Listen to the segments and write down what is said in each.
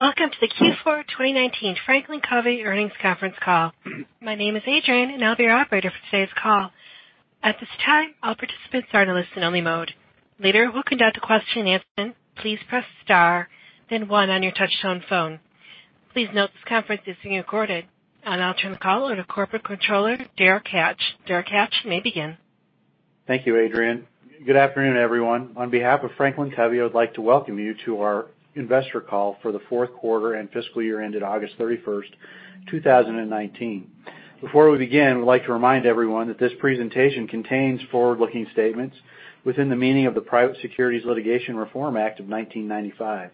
Welcome to the Q4 2019 Franklin Covey earnings conference call. My name is Adrian, and I'll be your operator for today's call. At this time, all participants are in a listen-only mode. Later, we'll conduct a question and answer. Please press star then one on your touch-tone phone. Please note this conference is being recorded. I'll turn the call over to Corporate Controller, Derek Hatch. Derek Hatch, you may begin. Thank you, Adrian. Good afternoon, everyone. On behalf of Franklin Covey, I would like to welcome you to our investor call for the fourth quarter and fiscal year ended August 31st, 2019. Before we begin, we'd like to remind everyone that this presentation contains forward-looking statements within the meaning of the Private Securities Litigation Reform Act of 1995.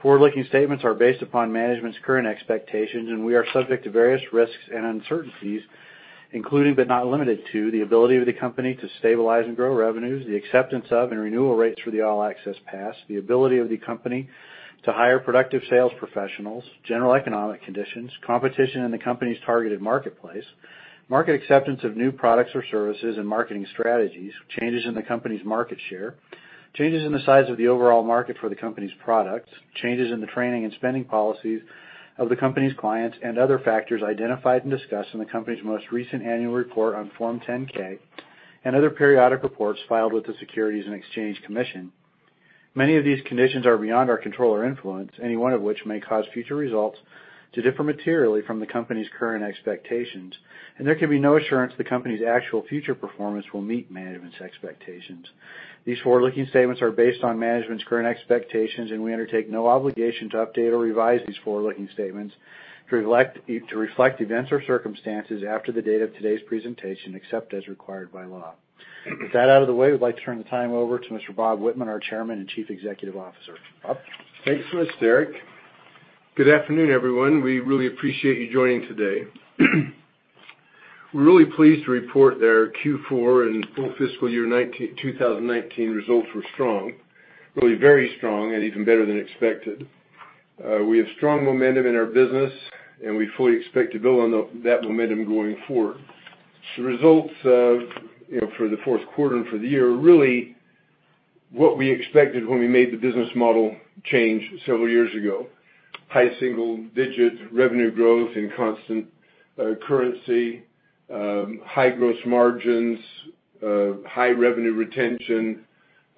Forward-looking statements are based upon management's current expectations, and we are subject to various risks and uncertainties, including but not limited to, the ability of the company to stabilize and grow revenues, the acceptance of and renewal rates for the All Access Pass, the ability of the company to hire productive sales professionals, general economic conditions, competition in the company's targeted marketplace, market acceptance of new products or services and marketing strategies, changes in the company's market share, changes in the size of the overall market for the company's products, changes in the training and spending policies of the company's clients, and other factors identified and discussed in the company's most recent annual report on Form 10-K, and other periodic reports filed with the Securities and Exchange Commission. Many of these conditions are beyond our control or influence, any one of which may cause future results to differ materially from the company's current expectations, and there can be no assurance the company's actual future performance will meet management's expectations. These forward-looking statements are based on management's current expectations, and we undertake no obligation to update or revise these forward-looking statements to reflect events or circumstances after the date of today's presentation, except as required by law. With that out of the way, we'd like to turn the time over to Mr. Bob Whitman, our Chairman and Chief Executive Officer. Bob? Thanks so much, Derek. Good afternoon, everyone. We really appreciate you joining today. We're really pleased to report that our Q4 and full fiscal year 2019 results were strong. Really very strong, and even better than expected. We have strong momentum in our business, and we fully expect to build on that momentum going forward. The results for the fourth quarter and for the year are really what we expected when we made the business model change several years ago. High single-digit revenue growth in constant currency, high gross margins, high revenue retention,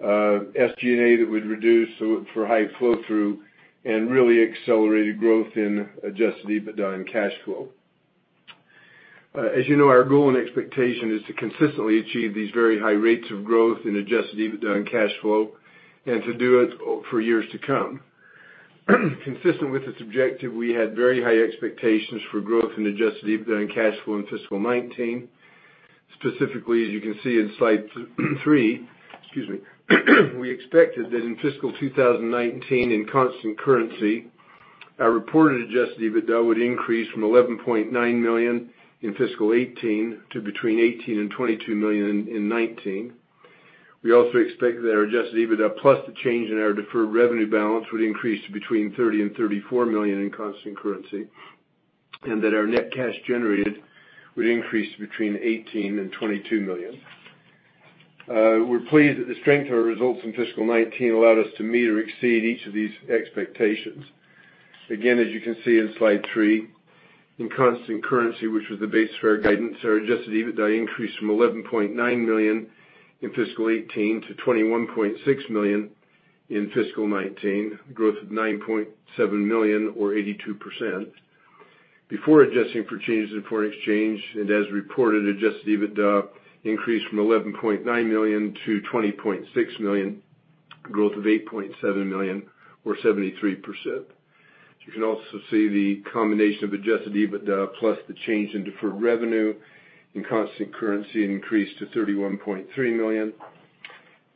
SG&A that we'd reduced for high flow-through, and really accelerated growth in Adjusted EBITDA and cash flow. As you know, our goal and expectation is to consistently achieve these very high rates of growth in Adjusted EBITDA and cash flow and to do it for years to come. Consistent with this objective, we had very high expectations for growth in Adjusted EBITDA and cash flow in fiscal 2019. Specifically, as you can see in slide three, we expected that in fiscal 2019, in constant currency, our reported Adjusted EBITDA would increase from $11.9 million in fiscal 2018 to between $18 million and $22 million in 2019. We also expected that our Adjusted EBITDA plus the change in our deferred revenue balance would increase to between $30 million and $34 million in constant currency, and that our net cash generated would increase between $18 million and $22 million. We're pleased that the strength of our results in fiscal 2019 allowed us to meet or exceed each of these expectations. As you can see in slide three, in constant currency, which was the base for our guidance, our Adjusted EBITDA increased from $11.9 million in fiscal 2018 to $21.6 million in fiscal 2019, a growth of $9.7 million or 82%. Before adjusting for changes in foreign exchange and as reported, Adjusted EBITDA increased from $11.9 million to $20.6 million, a growth of $8.7 million or 73%. As you can also see, the combination of Adjusted EBITDA plus the change in deferred revenue in constant currency increased to $31.3 million.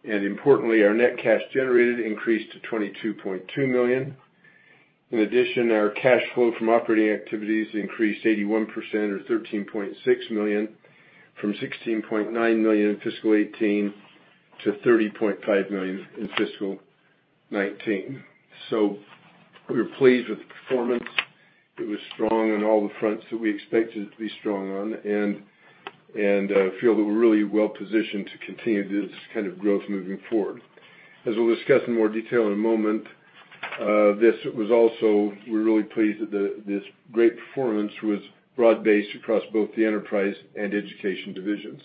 Importantly, our net cash generated increased to $22.2 million. In addition, our cash flow from operating activities increased 81% or $13.6 million from $16.9 million in fiscal 2018 to $30.5 million in fiscal 2019. We were pleased with the performance. It was strong on all the fronts that we expected it to be strong on and feel that we're really well-positioned to continue this kind of growth moving forward. As we'll discuss in more detail in a moment, we're really pleased that this great performance was broad-based across both the Enterprise and Education Divisions.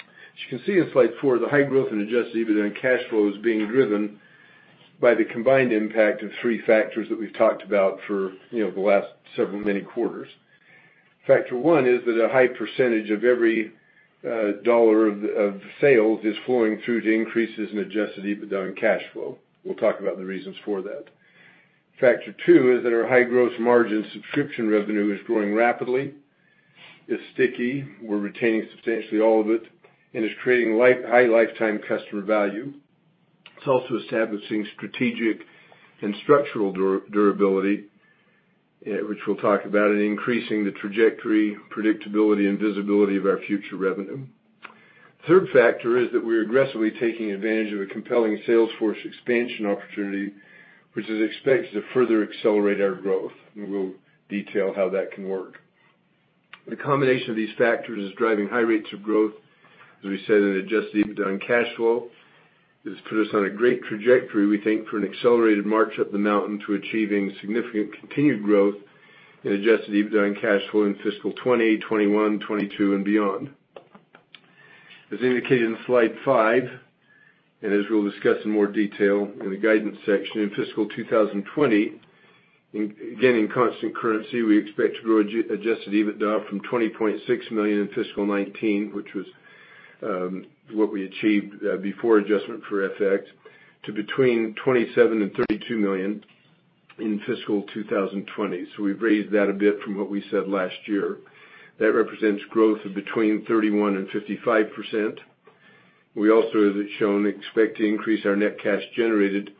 As you can see in slide four, the high growth in Adjusted EBITDA and cash flow is being driven by the combined impact of three factors that we've talked about for the last several many quarters. Factor one is that a high percentage of every dollar of sales is flowing through to increases in Adjusted EBITDA and cash flow. We'll talk about the reasons for that. Factor two is that our high gross margin subscription revenue is growing rapidly. It's sticky. We're retaining substantially all of it, and it's creating high lifetime customer value. It's also establishing strategic and structural durability, which we'll talk about, and increasing the trajectory, predictability, and visibility of our future revenue. Third factor is that we're aggressively taking advantage of a compelling sales force expansion opportunity, which is expected to further accelerate our growth, and we'll detail how that can work. The combination of these factors is driving high rates of growth, as we said, in Adjusted EBITDA and cash flow. It has put us on a great trajectory, we think, for an accelerated march up the mountain to achieving significant continued growth in Adjusted EBITDA and cash flow in fiscal 2020, 2021, 2022, and beyond. As indicated in slide five, and as we'll discuss in more detail in the guidance section, in fiscal 2020, again, in constant currency, we expect to grow Adjusted EBITDA from $20.6 million in fiscal 2019, which was what we achieved before adjustment for FX, to between $27 million and $32 million in fiscal 2020. We've raised that a bit from what we said last year. That represents growth of between 31% and 55%. We also, as shown, expect to increase our net cash generated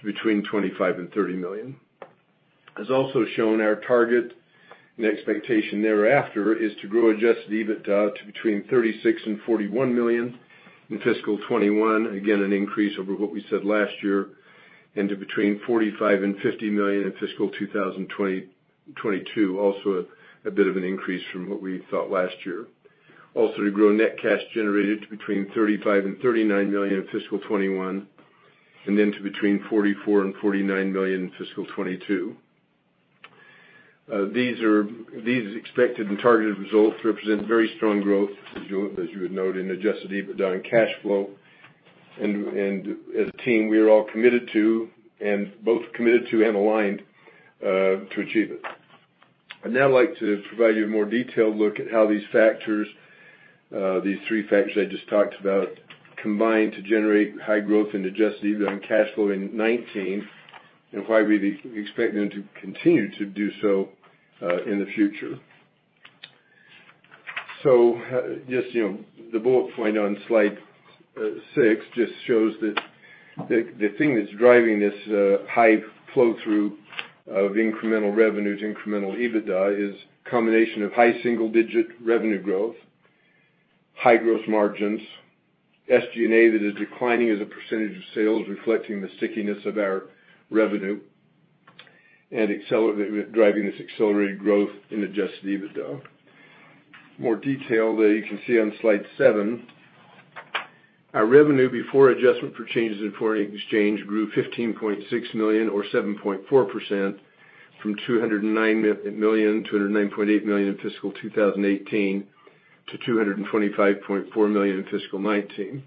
to between $25 million and $30 million. As also shown, our target and expectation thereafter is to grow Adjusted EBITDA to between $36 million and $41 million in fiscal 2021, again, an increase over what we said last year. To between $45 million and $50 million in fiscal 2022, also a bit of an increase from what we thought last year. To grow net cash generated to between $35 million and $39 million in fiscal 2021, to between $44 million and $49 million in fiscal 2022. These expected and targeted results represent very strong growth, as you would note in Adjusted EBITDA and cash flow. As a team, we are all committed to and aligned to achieve it. I'd now like to provide you a more detailed look at how these three factors I just talked about combine to generate high growth in Adjusted EBITDA and cash flow in 2019, why we expect them to continue to do so in the future. Just the bullet point on slide six just shows that the thing that's driving this high flow-through of incremental revenues, incremental EBITDA, is a combination of high single-digit revenue growth, high gross margins, SG&A that is declining as a percentage of sales, reflecting the stickiness of our revenue, and driving this accelerated growth in Adjusted EBITDA. More detail there you can see on slide seven. Our revenue before adjustment for changes in foreign exchange grew $15.6 million or 7.4% from $209.8 million in fiscal 2018 to $225.4 million in fiscal 2019.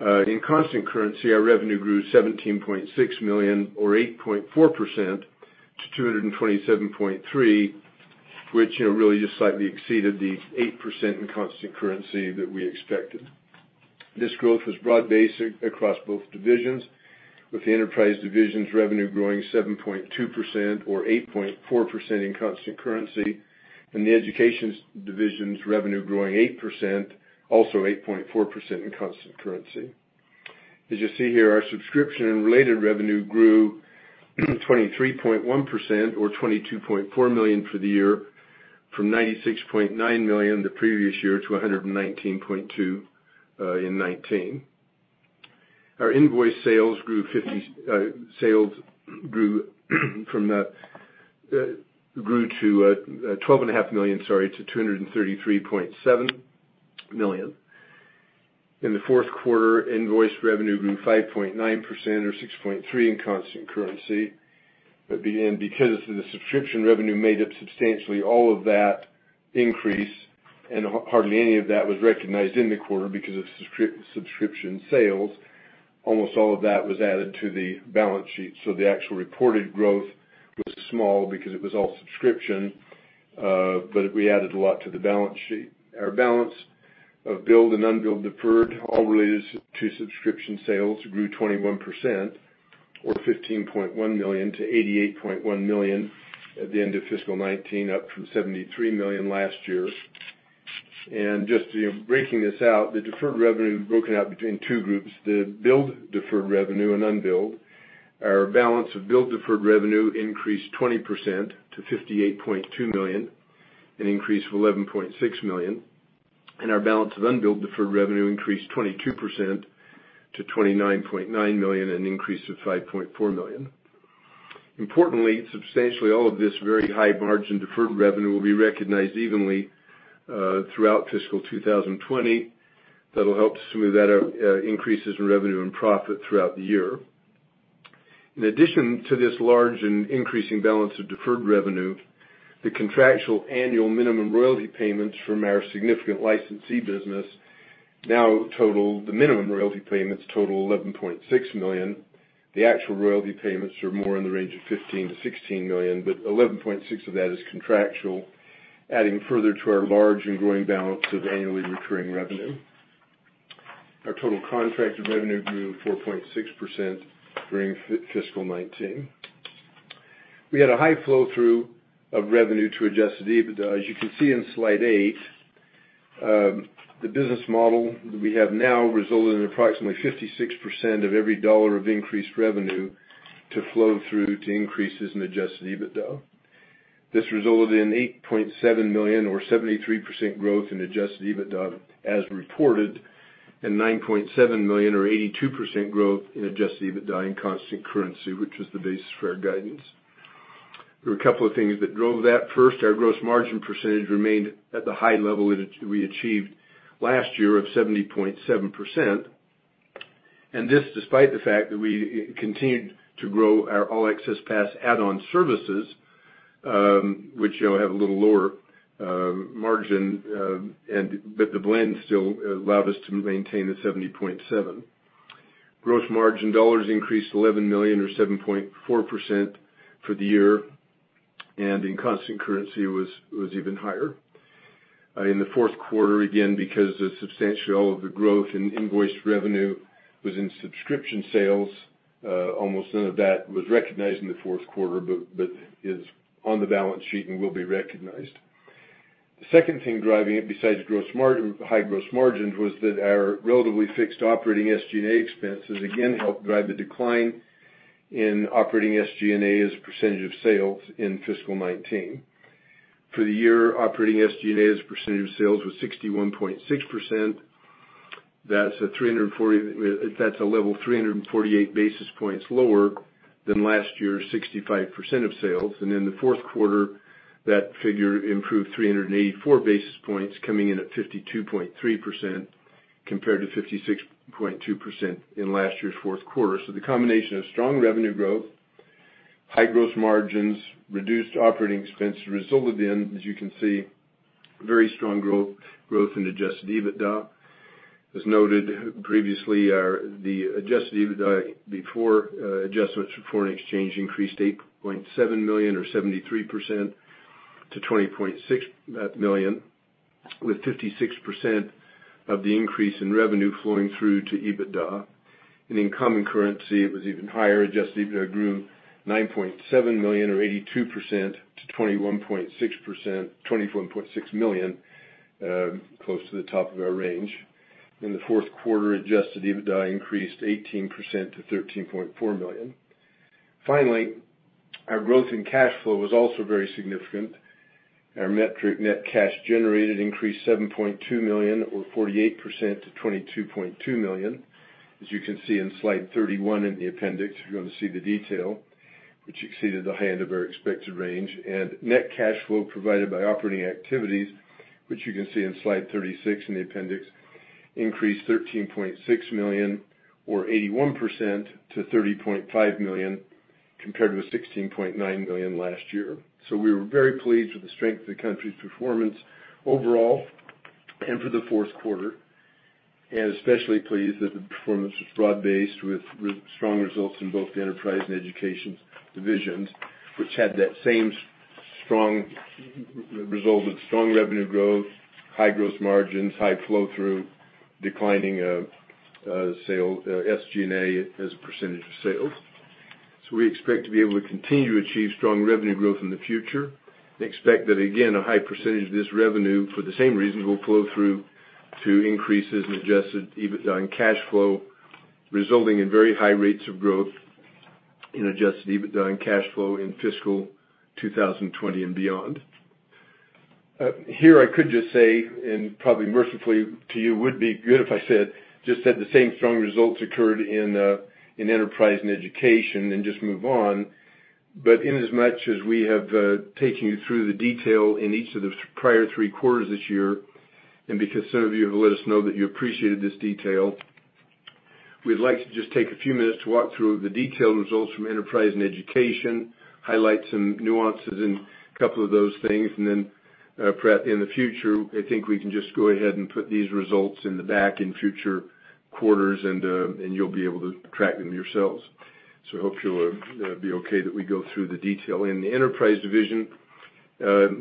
In constant currency, our revenue grew $17.6 million or 8.4% to $227.3 million, which really just slightly exceeded the 8% in constant currency that we expected. This growth was broad-based across both divisions, with the Enterprise division's revenue growing 7.2% or 8.4% in constant currency, and the Education Division's revenue growing 8%, also 8.4% in constant currency. As you see here, our subscription and related revenue grew 23.1%, or $22.4 million for the year, from $96.9 million the previous year to $119.2 in 2019. Our invoice sales grew to $12.5 million, sorry, to $233.7 million. In the fourth quarter, invoice revenue grew 5.9%, or 6.3% in constant currency. Because the subscription revenue made up substantially all of that increase, and hardly any of that was recognized in the quarter because of subscription sales, almost all of that was added to the balance sheet. The actual reported growth was small because it was all subscription, but we added a lot to the balance sheet. Our balance of billed and unbilled deferred, all related to subscription sales, grew 21%, or $15.1 million to $88.1 million at the end of fiscal 2019, up from $73 million last year. Just breaking this out, the deferred revenue broken out between two groups, the billed deferred revenue and unbilled. Our balance of billed deferred revenue increased 20% to $58.2 million, an increase of $11.6 million. Our balance of unbilled deferred revenue increased 22% to $29.9 million, an increase of $5.4 million. Importantly, substantially all of this very high-margin deferred revenue will be recognized evenly throughout fiscal 2020. That'll help to smooth out increases in revenue and profit throughout the year. In addition to this large and increasing balance of deferred revenue, the contractual annual minimum royalty payments from our significant licensee business now total, the minimum royalty payments total $11.6 million. The actual royalty payments are more in the range of $15 million-$16 million, but $11.6 of that is contractual, adding further to our large and growing balance of annually recurring revenue. Our total contracted revenue grew 4.6% during fiscal 2019. We had a high flow-through of revenue to Adjusted EBITDA. As you can see in slide eight, the business model that we have now resulted in approximately 56% of every dollar of increased revenue to flow through to increases in Adjusted EBITDA. This resulted in $8.7 million or 73% growth in Adjusted EBITDA as reported. $9.7 million, or 82% growth in Adjusted EBITDA in constant currency, which was the basis for our guidance. There were a couple of things that drove that. First, our gross margin percentage remained at the high level we achieved last year of 70.7%. This, despite the fact that we continued to grow our All Access Pass add-on services, which have a little lower margin, but the blend still allowed us to maintain the 70.7%. Gross margin dollars increased $11 million or 7.4% for the year. In constant currency was even higher. In the fourth quarter, again, because of substantially all of the growth in invoiced revenue was in subscription sales. Almost none of that was recognized in the fourth quarter. It is on the balance sheet and will be recognized. The second thing driving it, besides high gross margins, was that our relatively fixed operating SG&A expenses again helped drive the decline in operating SG&A as a percentage of sales in fiscal 2019. For the year, operating SG&A as a percentage of sales was 61.6%. That's a level 348 basis points lower than last year, 65% of sales. In the fourth quarter, that figure improved 384 basis points, coming in at 52.3% compared to 56.2% in last year's fourth quarter. The combination of strong revenue growth, high gross margins, reduced operating expense resulted in, as you can see, very strong growth in Adjusted EBITDA. As noted previously, the Adjusted EBITDA before adjustments for foreign exchange increased $8.7 million or 73% to $20.6 million, with 56% of the increase in revenue flowing through to EBITDA. In common currency, it was even higher. Adjusted EBITDA grew $9.7 million or 82% to $21.6 million, close to the top of our range. In the fourth quarter, Adjusted EBITDA increased 18% to $13.4 million. Finally, our growth in cash flow was also very significant. Our net cash generated increased $7.2 million or 48% to $22.2 million. As you can see in slide 31 in the appendix, if you want to see the detail, which exceeded the high end of our expected range. Net cash flow provided by operating activities, which you can see in slide 36 in the appendix, increased $13.6 million or 81% to $30.5 million, compared to $16.9 million last year. We were very pleased with the strength of the company's performance overall and for the fourth quarter, and especially pleased that the performance was broad-based with strong results in both the Enterprise and Education Divisions, which had that same result of strong revenue growth, high gross margins, high flow through, declining of SG&A as a percentage of sales. We expect to be able to continue to achieve strong revenue growth in the future, and expect that again, a high percentage of this revenue, for the same reason, will flow through to increases in Adjusted EBITDA and cash flow, resulting in very high rates of growth in Adjusted EBITDA and cash flow in fiscal 2020 and beyond. Here I could just say, and probably mercifully to you, would be good if I just said the same strong results occurred in enterprise and education and just move on. Inasmuch as we have taken you through the detail in each of the prior three quarters this year, and because some of you have let us know that you appreciated this detail, we'd like to just take a few minutes to walk through the detailed results from enterprise and education, highlight some nuances in a couple of those things, and then perhaps in the future, I think we can just go ahead and put these results in the back in future quarters, and you'll be able to track them yourselves. I hope you'll be okay that we go through the detail. In the enterprise division,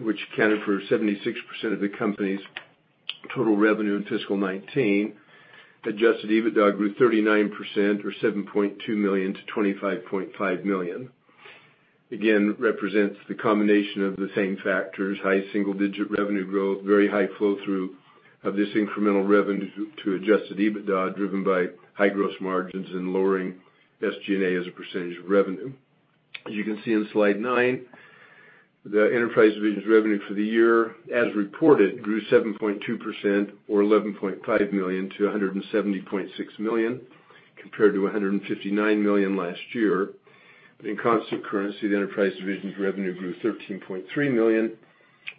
which accounted for 76% of the company's total revenue in fiscal 2019, Adjusted EBITDA grew 39% or $7.2 million to $25.5 million. Again, represents the combination of the same factors, high single-digit revenue growth, very high flow through of this incremental revenue to Adjusted EBITDA driven by high gross margins and lowering SG&A as a percent of revenue. As you can see in slide nine, the enterprise division's revenue for the year, as reported, grew 7.2% or $11.5 million to $170.6 million, compared to $159 million last year. In constant currency, the enterprise division's revenue grew $13.3 million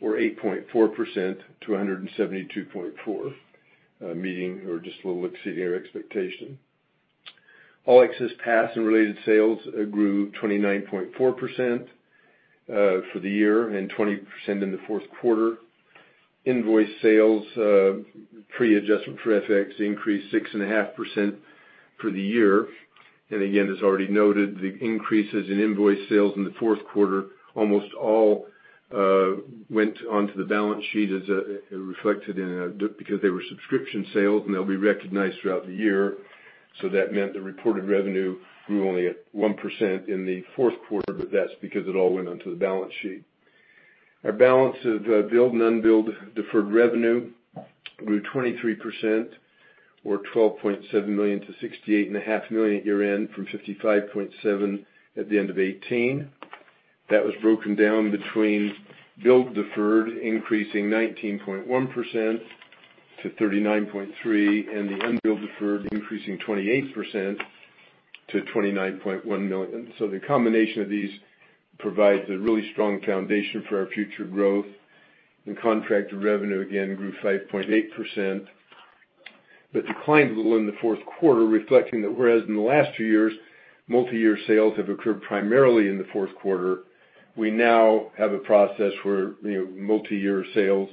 or 8.4% to $172.4 million, meeting or just a little exceeding our expectation. All Access Pass and related sales grew 29.4% for the year and 20% in the fourth quarter. Invoiced sales, pre-adjustment for FX, increased 6.5% for the year. Again, as already noted, the increases in invoice sales in the fourth quarter almost all went onto the balance sheet, as reflected because they were subscription sales, and they'll be recognized throughout the year. That meant the reported revenue grew only at 1% in the fourth quarter, but that's because it all went onto the balance sheet. Our balance of billed and unbilled deferred revenue grew 23% or $12.7 million to $68.5 million at year-end from $55.7 million at the end of 2018. That was broken down between billed deferred, increasing 19.1% to $39.3 million, and the unbilled deferred increasing 28% to $29.1 million. The combination of these provides a really strong foundation for our future growth. Contracted revenue again grew 5.8%, but declined a little in the fourth quarter, reflecting that whereas in the last two years, multi-year sales have occurred primarily in the fourth quarter, we now have a process where multi-year sales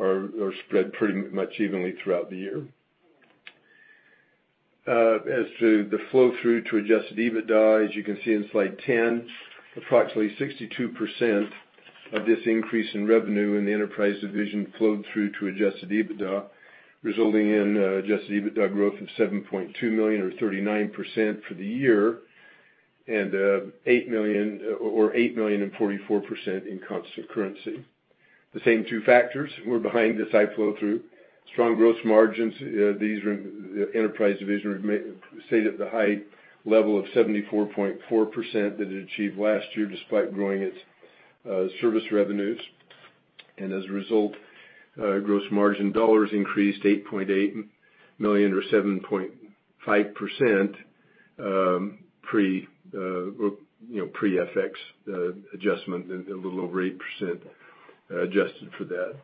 are spread pretty much evenly throughout the year. As to the flow-through to Adjusted EBITDA, as you can see in slide 10, approximately 62% of this increase in revenue in the Enterprise division flowed through to Adjusted EBITDA, resulting in Adjusted EBITDA growth of $7.2 million or 39% for the year, and $8 million and 44% in constant currency. The same two factors were behind this high flow through. Strong gross margins. These are the Enterprise division stayed at the high level of 74.4% that it achieved last year, despite growing its service revenues. As a result, gross margin dollars increased $8.8 million, or 7.5%, pre-FX adjustment, and a little over 8% adjusted for that.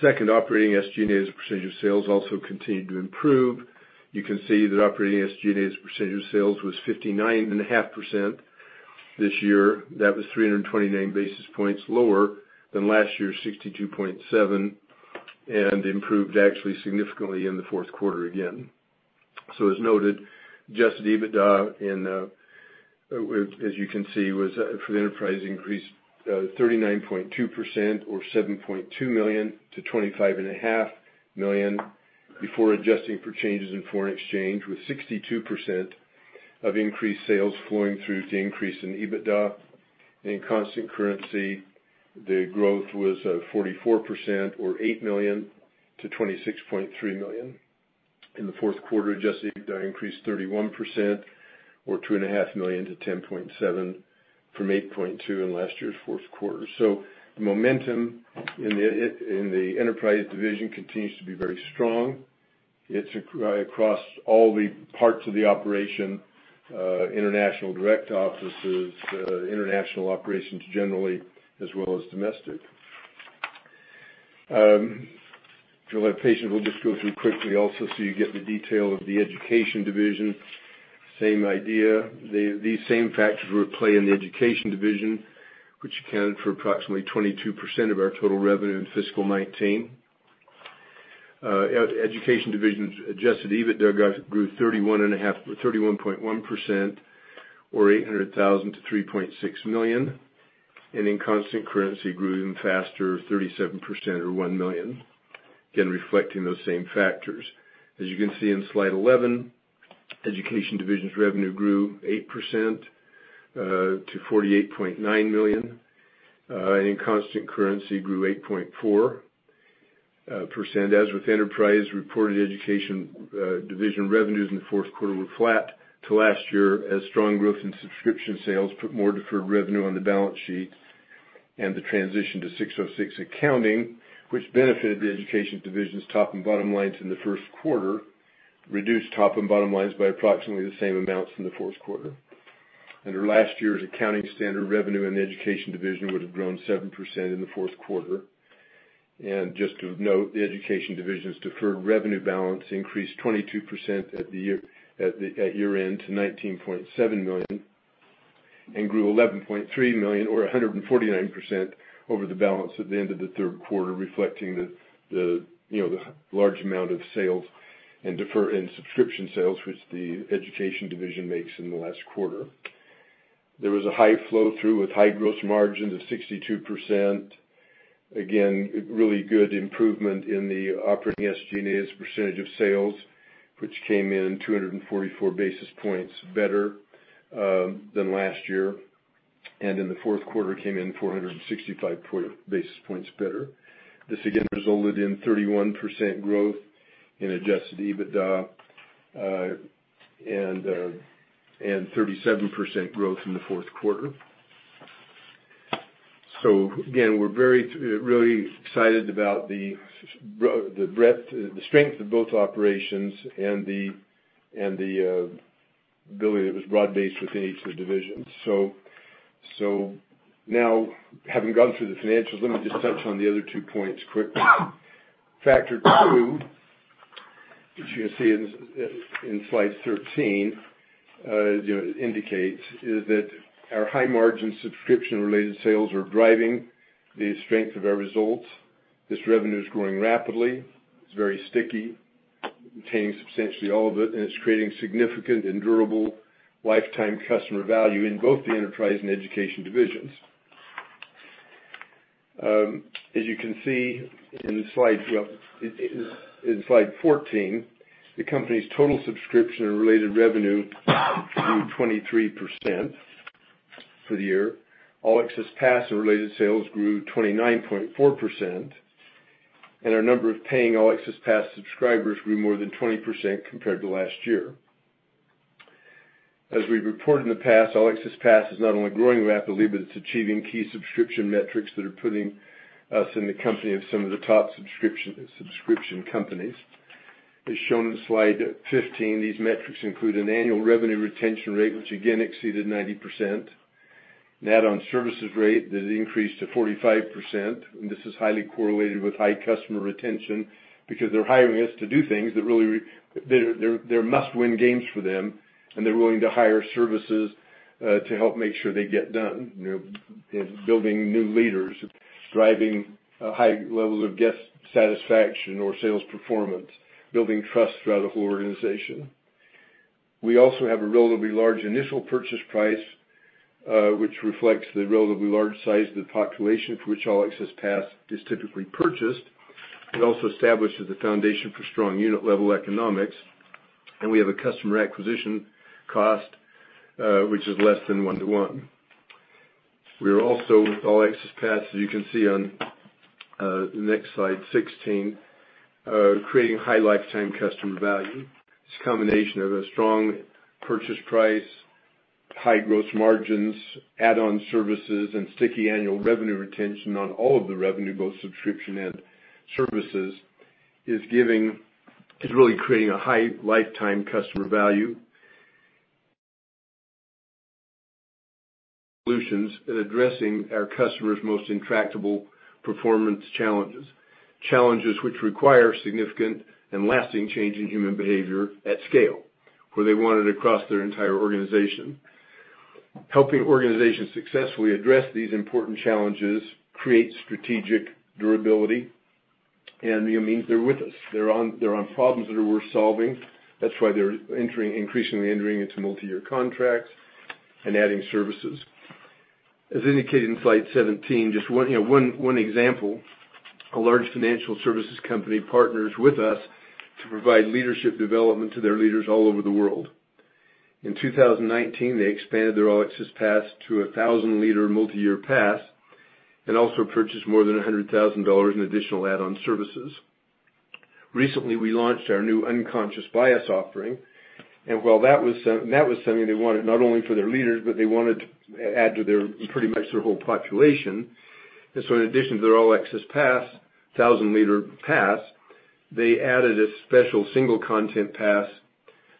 Second, operating SG&A as a percentage of sales also continued to improve. You can see that operating SG&A as a percentage of sales was 59.5% this year. That was 329 basis points lower than last year's 62.7%, and improved actually significantly in the fourth quarter again. As noted, Adjusted EBITDA, as you can see, for the enterprise increased 39.2%, or $7.2 million to $25.5 million before adjusting for changes in foreign exchange, with 62% of increased sales flowing through to increase in EBITDA. In constant currency, the growth was 44% or $8 million to $26.3 million. In the fourth quarter, Adjusted EBITDA increased 31% or $2.5 million to $10.7 million from $8.2 million in last year's fourth quarter. The momentum in the Enterprise division continues to be very strong. It's across all the parts of the operation, international direct offices, international operations generally, as well as domestic. If you're patient, we'll just go through quickly also so you get the detail of the Education Division. Same idea. These same factors were at play in the Education Division, which accounted for approximately 22% of our total revenue in fiscal 2019. Education Division's Adjusted EBITDA grew 31.1%, or $800,000 to $3.6 million, and in constant currency grew even faster, 37% or $1 million, again, reflecting those same factors. As you can see in slide 11, Education Division's revenue grew 8% to $48.9 million, and in constant currency grew 8.4%. As with Enterprise, reported Education Division revenues in the fourth quarter were flat to last year, as strong growth in subscription sales put more deferred revenue on the balance sheet. The transition to 606 accounting, which benefited the Education Division's top and bottom lines in the first quarter, reduced top and bottom lines by approximately the same amounts in the fourth quarter. Under last year's accounting standard, revenue in the Education Division would have grown 7% in the fourth quarter. Just to note, the Education Division's deferred revenue balance increased 22% at year-end to $19.7 million, and grew $11.3 million or 149% over the balance at the end of the third quarter, reflecting the large amount of sales and subscription sales, which the Education Division makes in the last quarter. There was a high flow-through with high gross margin to 62%. Again, a really good improvement in the operating SG&A as a percentage of sales, which came in 244 basis points better than last year. In the fourth quarter, came in 465 basis points better. This again resulted in 31% growth in Adjusted EBITDA, and 37% growth in the fourth quarter. Again, we're really excited about the breadth, the strength of both operations and the ability that it was broad-based within each of the divisions. Now, having gone through the financials, let me just touch on the other two points quickly. Factor two, which you're going to see in slide 13, indicates that our high margin subscription-related sales are driving the strength of our results. This revenue is growing rapidly. It's very sticky, retaining substantially all of it, and it's creating significant and durable lifetime customer value in both the Enterprise and Education Divisions. As you can see in slide 14, the company's total subscription and related revenue grew 23% for the year. All Access Pass and related sales grew 29.4%. Our number of paying All Access Pass subscribers grew more than 20% compared to last year. As we've reported in the past, All Access Pass is not only growing rapidly, but it's achieving key subscription metrics that are putting us in the company of some of the top subscription companies. As shown in slide 15, these metrics include an annual revenue retention rate, which again exceeded 90%. An add-on services rate that increased to 45%, and this is highly correlated with high customer retention because they're hiring us to do things that really, they're must-win games for them, and they're willing to hire services to help make sure they get done. They're building new leaders, driving high levels of guest satisfaction or sales performance, building trust throughout the whole organization. We also have a relatively large initial purchase price, which reflects the relatively large size of the population for which All Access Pass is typically purchased. It also establishes the foundation for strong unit level economics. We have a customer acquisition cost which is less than one to one. We are also, with All Access Pass, as you can see on the next slide 16, creating high lifetime customer value. It's a combination of a strong purchase price, high gross margins, add-on services, and sticky annual revenue retention on all of the revenue, both subscription and services, is really creating a high lifetime customer value. Solutions in addressing our customer's most intractable performance challenges. Challenges which require significant and lasting change in human behavior at scale, where they want it across their entire organization. Helping organizations successfully address these important challenges create strategic durability and means they're with us. They're on problems that are worth solving. That's why they're increasingly entering into multi-year contracts and adding services. As indicated in slide 17, just one example. A large financial services company partners with us to provide leadership development to their leaders all over the world. In 2019, they expanded their All Access Pass to 1,000 leader multi-year pass and also purchased more than $100,000 in additional add-on services. Recently, we launched our new Unconscious Bias offering, while that was something they wanted not only for their leaders, but they wanted to add to pretty much their whole population. In addition to their All Access Pass, 1,000 leader pass, they added a special single content pass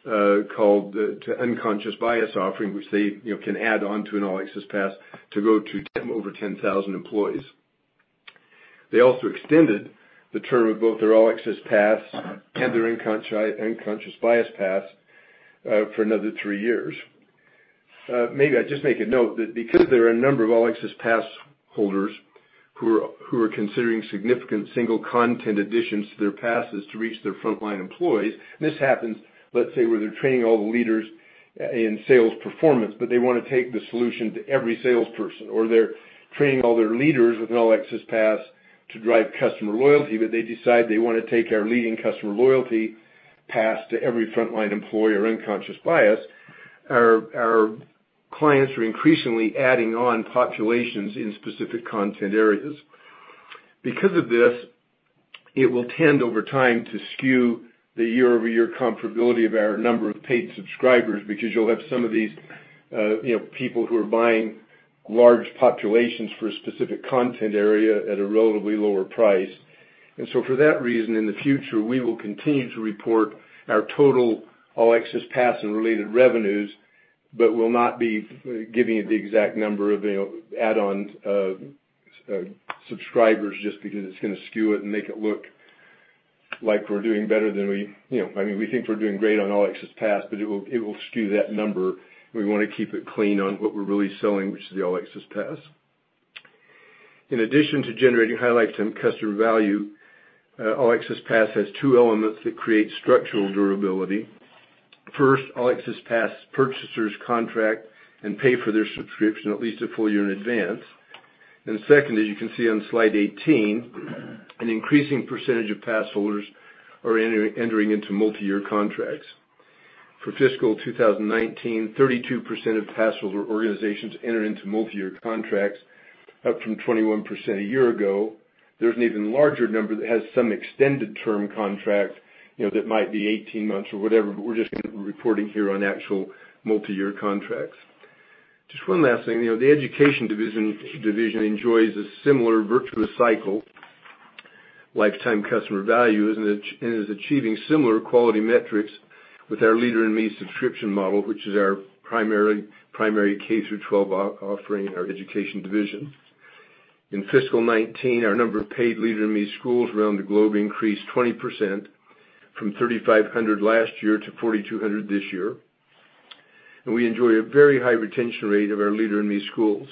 called the Unconscious Bias offering, which they can add on to an All Access Pass to go to over 10,000 employees. They also extended the term of both their All Access Pass and their Unconscious Bias pass for another three years. Maybe I just make a note that because there are a number of All Access Pass holders who are considering significant single content additions to their passes to reach their frontline employees, this happens, let's say, where they're training all the leaders in sales performance, but they want to take the solution to every salesperson, or they're training all their leaders with an All Access Pass to drive customer loyalty, but they decide they want to take our leading customer loyalty pass to every frontline employee or Unconscious Bias. Our clients are increasingly adding on populations in specific content areas. It will tend over time to skew the YoY comparability of our number of paid subscribers, because you'll have some of these people who are buying large populations for a specific content area at a relatively lower price. For that reason, in the future, we will continue to report our total All Access Pass and related revenues, but will not be giving you the exact number of add-on subscribers just because it's going to skew it and make it look like we're doing better than we. We think we're doing great on All Access Pass, but it will skew that number, and we want to keep it clean on what we're really selling, which is the All Access Pass. In addition to generating high lifetime customer value, All Access Pass has two elements that create structural durability. First, All Access Pass purchasers contract and pay for their subscription at least a full year in advance. Second, as you can see on slide 18, an increasing percentage of pass holders are entering into multi-year contracts. For fiscal 2019, 32% of pass holder organizations entered into multi-year contracts, up from 21% a year ago. There's an even larger number that has some extended term contract that might be 18 months or whatever. We're just reporting here on actual multi-year contracts. Just one last thing. The Education Division enjoys a similar virtuous cycle, lifetime customer value, and is achieving similar quality metrics with our Leader in Me subscription model, which is our primary K through 12 offering in our Education Division. In fiscal 2019, our number of paid Leader in Me schools around the globe increased 20%, from 3,500 last year to 4,200 this year. We enjoy a very high retention rate of our Leader in Me schools.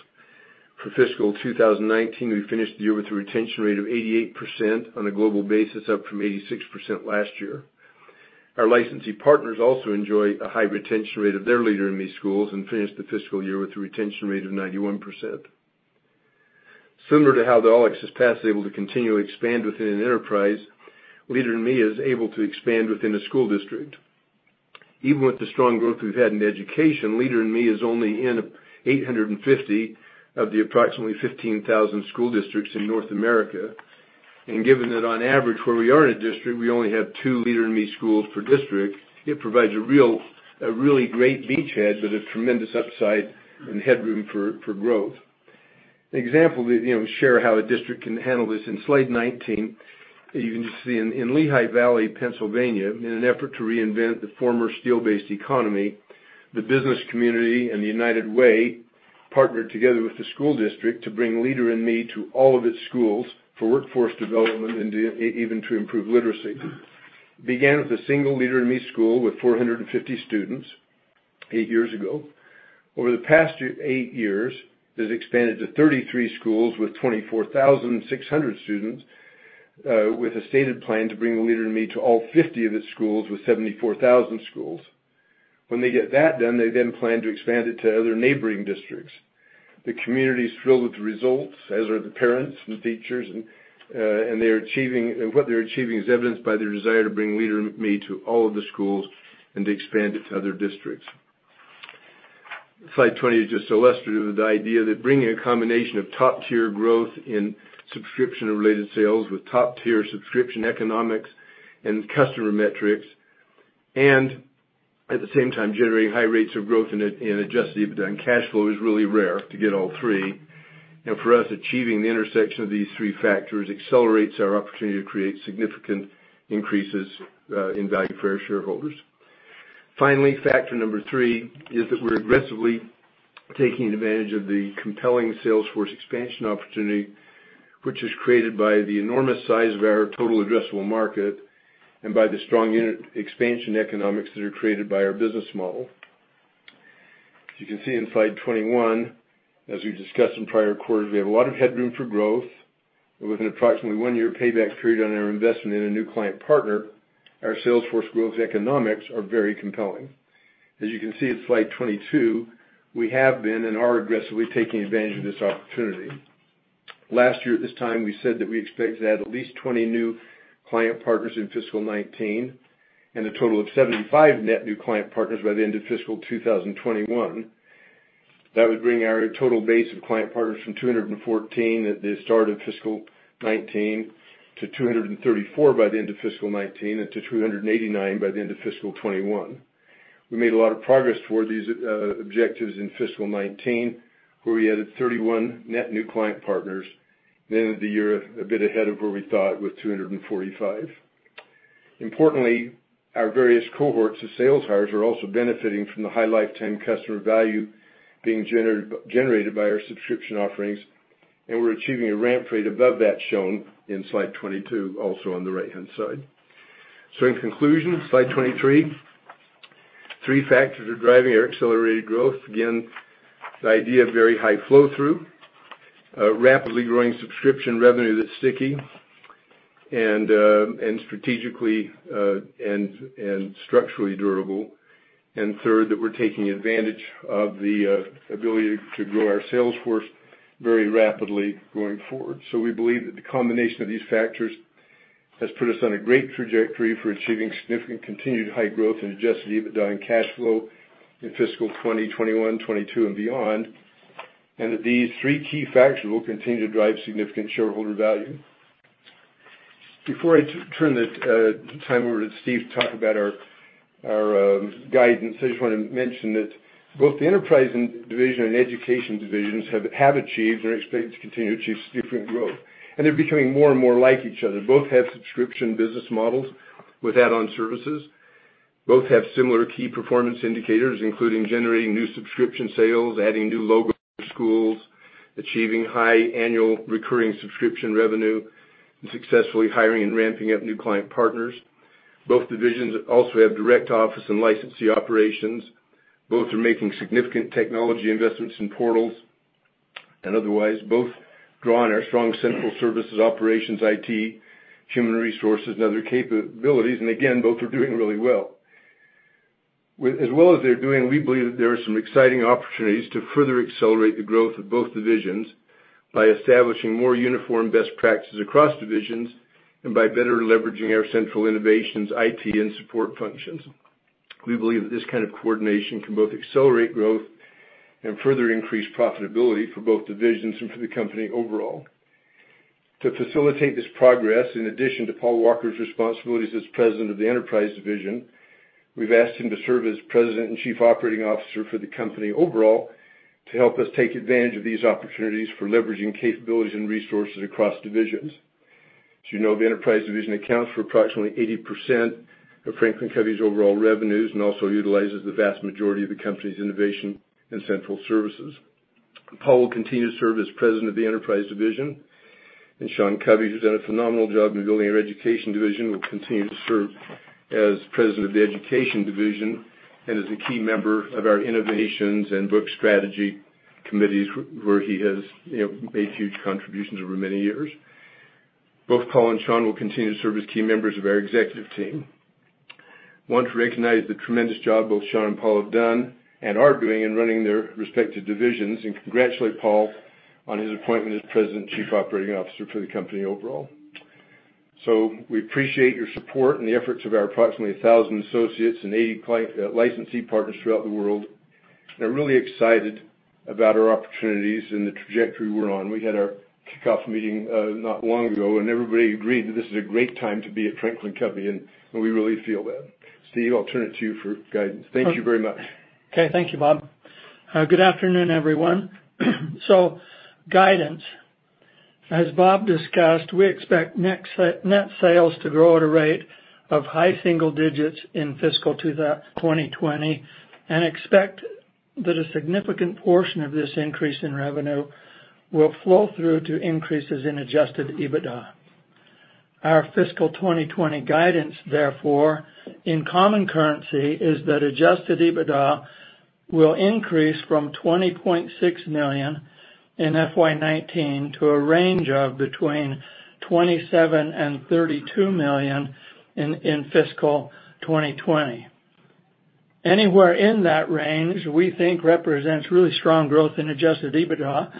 For fiscal 2019, we finished the year with a retention rate of 88% on a global basis, up from 86% last year. Our licensee partners also enjoy a high retention rate of their Leader in Me schools and finished the fiscal year with a retention rate of 91%. Similar to how the All Access Pass is able to continue to expand within an enterprise, Leader in Me is able to expand within a school district. Even with the strong growth we've had in education, Leader in Me is only in 850 of the approximately 15,000 school districts in North America. Given that on average, where we are in a district, we only have two Leader in Me schools per district, it provides a really great beachhead with a tremendous upside and headroom for growth. An example to share how a district can handle this, in slide 19, you can just see in Lehigh Valley, Pennsylvania, in an effort to reinvent the former steel-based economy, the business community and the United Way partnered together with the school district to bring Leader in Me to all of its schools for workforce development and even to improve literacy. Began with a single Leader in Me school with 450 students eight years ago. Over the past eight years, it has expanded to 33 schools with 24,600 students, with a stated plan to bring the Leader in Me to all 50 of its schools with 74,000 schools. They get that done, they then plan to expand it to other neighboring districts. The community's thrilled with the results, as are the parents and the teachers, and what they're achieving is evidenced by their desire to bring Leader in Me to all of the schools and to expand it to other districts. Slide 20 just illustrates the idea that bringing a combination of top-tier growth in subscription and related sales with top-tier subscription economics and customer metrics, and at the same time generating high rates of growth in Adjusted EBITDA and cash flow is really rare to get all three. For us, achieving the intersection of these three factors accelerates our opportunity to create significant increases in value for our shareholders. Finally, factor number three is that we're aggressively taking advantage of the compelling sales force expansion opportunity, which is created by the enormous size of our total addressable market and by the strong unit expansion economics that are created by our business model. As you can see in slide 21, as we've discussed in prior quarters, we have a lot of headroom for growth with an approximately one-year payback period on our investment in a new client partner. Our sales force growth economics are very compelling. As you can see in slide 22, we have been and are aggressively taking advantage of this opportunity. Last year at this time, we said that we expect to add at least 20 new client partners in fiscal 2019 and a total of 75 net new client partners by the end of fiscal 2021. That would bring our total base of client partners from 214 at the start of fiscal 2019 to 234 by the end of fiscal 2019 and to 289 by the end of fiscal 2021. We made a lot of progress toward these objectives in fiscal 2019, where we added 31 net new client partners and ended the year a bit ahead of where we thought with 245. Importantly, our various cohorts of sales hires are also benefiting from the high lifetime customer value being generated by our subscription offerings, and we're achieving a ramp rate above that shown in slide 22, also on the right-hand side. In conclusion, slide 23. Three factors are driving our accelerated growth. The idea of very high flow-through, rapidly growing subscription revenue that's sticky and strategically and structurally durable, and third, that we're taking advantage of the ability to grow our sales force very rapidly going forward. We believe that the combination of these factors has put us on a great trajectory for achieving significant continued high growth in Adjusted EBITDA and cash flow in fiscal 2021, 2022, and beyond, and that these three key factors will continue to drive significant shareholder value. Before I turn the time over to Steve to talk about our guidance, I just want to mention that both the Enterprise Division and Education Divisions have achieved and are expected to continue to achieve significant growth. They're becoming more and more like each other. Both have subscription business models with add-on services. Both have similar key performance indicators, including generating new subscription sales, adding new logos for schools, achieving high annual recurring subscription revenue, and successfully hiring and ramping up new client partners. Both divisions also have direct office and licensee operations. Both are making significant technology investments in portals and otherwise. Both draw on our strong central services, operations, IT, human resources, and other capabilities. Again, both are doing really well. As well as they're doing, we believe that there are some exciting opportunities to further accelerate the growth of both divisions by establishing more uniform best practices across divisions and by better leveraging our central innovations, IT, and support functions. We believe that this kind of coordination can both accelerate growth and further increase profitability for both divisions and for the company overall. To facilitate this progress, in addition to Paul Walker's responsibilities as President of the Enterprise Division, we've asked him to serve as President and Chief Operating Officer for the company overall to help us take advantage of these opportunities for leveraging capabilities and resources across divisions. As you know, the Enterprise Division accounts for approximately 80% of Franklin Covey's overall revenues and also utilizes the vast majority of the company's innovation and central services. Paul will continue to serve as President of the Enterprise Division, and Sean Covey, who's done a phenomenal job in building our Education Division, will continue to serve as President of the Education Division and as a key member of our innovations and book strategy committees, where he has made huge contributions over many years. Both Paul and Sean will continue to serve as key members of our executive team. I want to recognize the tremendous job both Sean and Paul have done and are doing in running their respective divisions, and congratulate Paul on his appointment as President and Chief Operating Officer for the company overall. We appreciate your support and the efforts of our approximately 1,000 associates and 80 licensee partners throughout the world, and are really excited about our opportunities and the trajectory we're on. We had our kickoff meeting not long ago, and everybody agreed that this is a great time to be at Franklin Covey, and we really feel that. Steve, I'll turn it to you for guidance. Thank you very much. Okay. Thank you, Bob. Good afternoon, everyone. Guidance. As Bob discussed, we expect net sales to grow at a rate of high single digits in fiscal 2020, and expect that a significant portion of this increase in revenue will flow through to increases in Adjusted EBITDA. Our fiscal 2020 guidance, therefore, in common currency, is that Adjusted EBITDA will increase from $20.6 million in FY 2019 to a range of $27 million-$32 million in fiscal 2020. Anywhere in that range, we think, represents really strong growth in Adjusted EBITDA.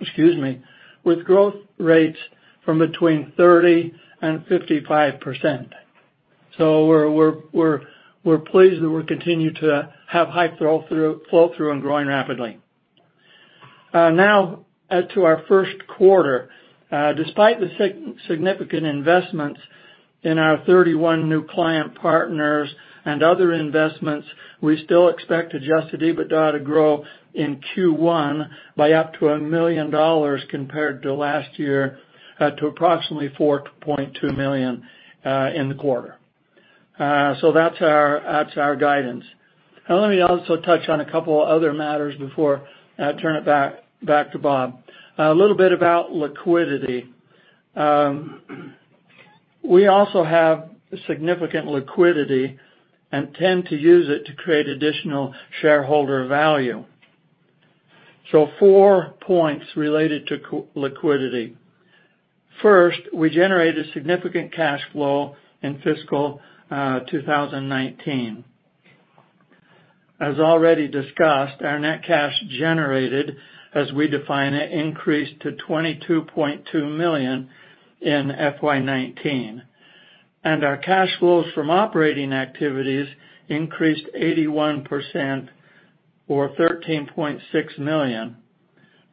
Excuse me. With growth rates from between 30% and 55%. We're pleased that we'll continue to have high flow-through and growing rapidly. Now, to our first quarter. Despite the significant investments in our 31 new client partners and other investments, we still expect Adjusted EBITDA to grow in Q1 by up to $1 million compared to last year, to approximately $4.2 million in the quarter. That's our guidance. Let me also touch on a couple other matters before I turn it back to Bob. A little bit about liquidity. We also have significant liquidity and tend to use it to create additional shareholder value. Four points related to liquidity. First, we generated significant cash flow in fiscal 2019. As already discussed, our net cash generated, as we define it, increased to $22.2 million in FY 2019. Our cash flows from operating activities increased 81%, or $13.6 million,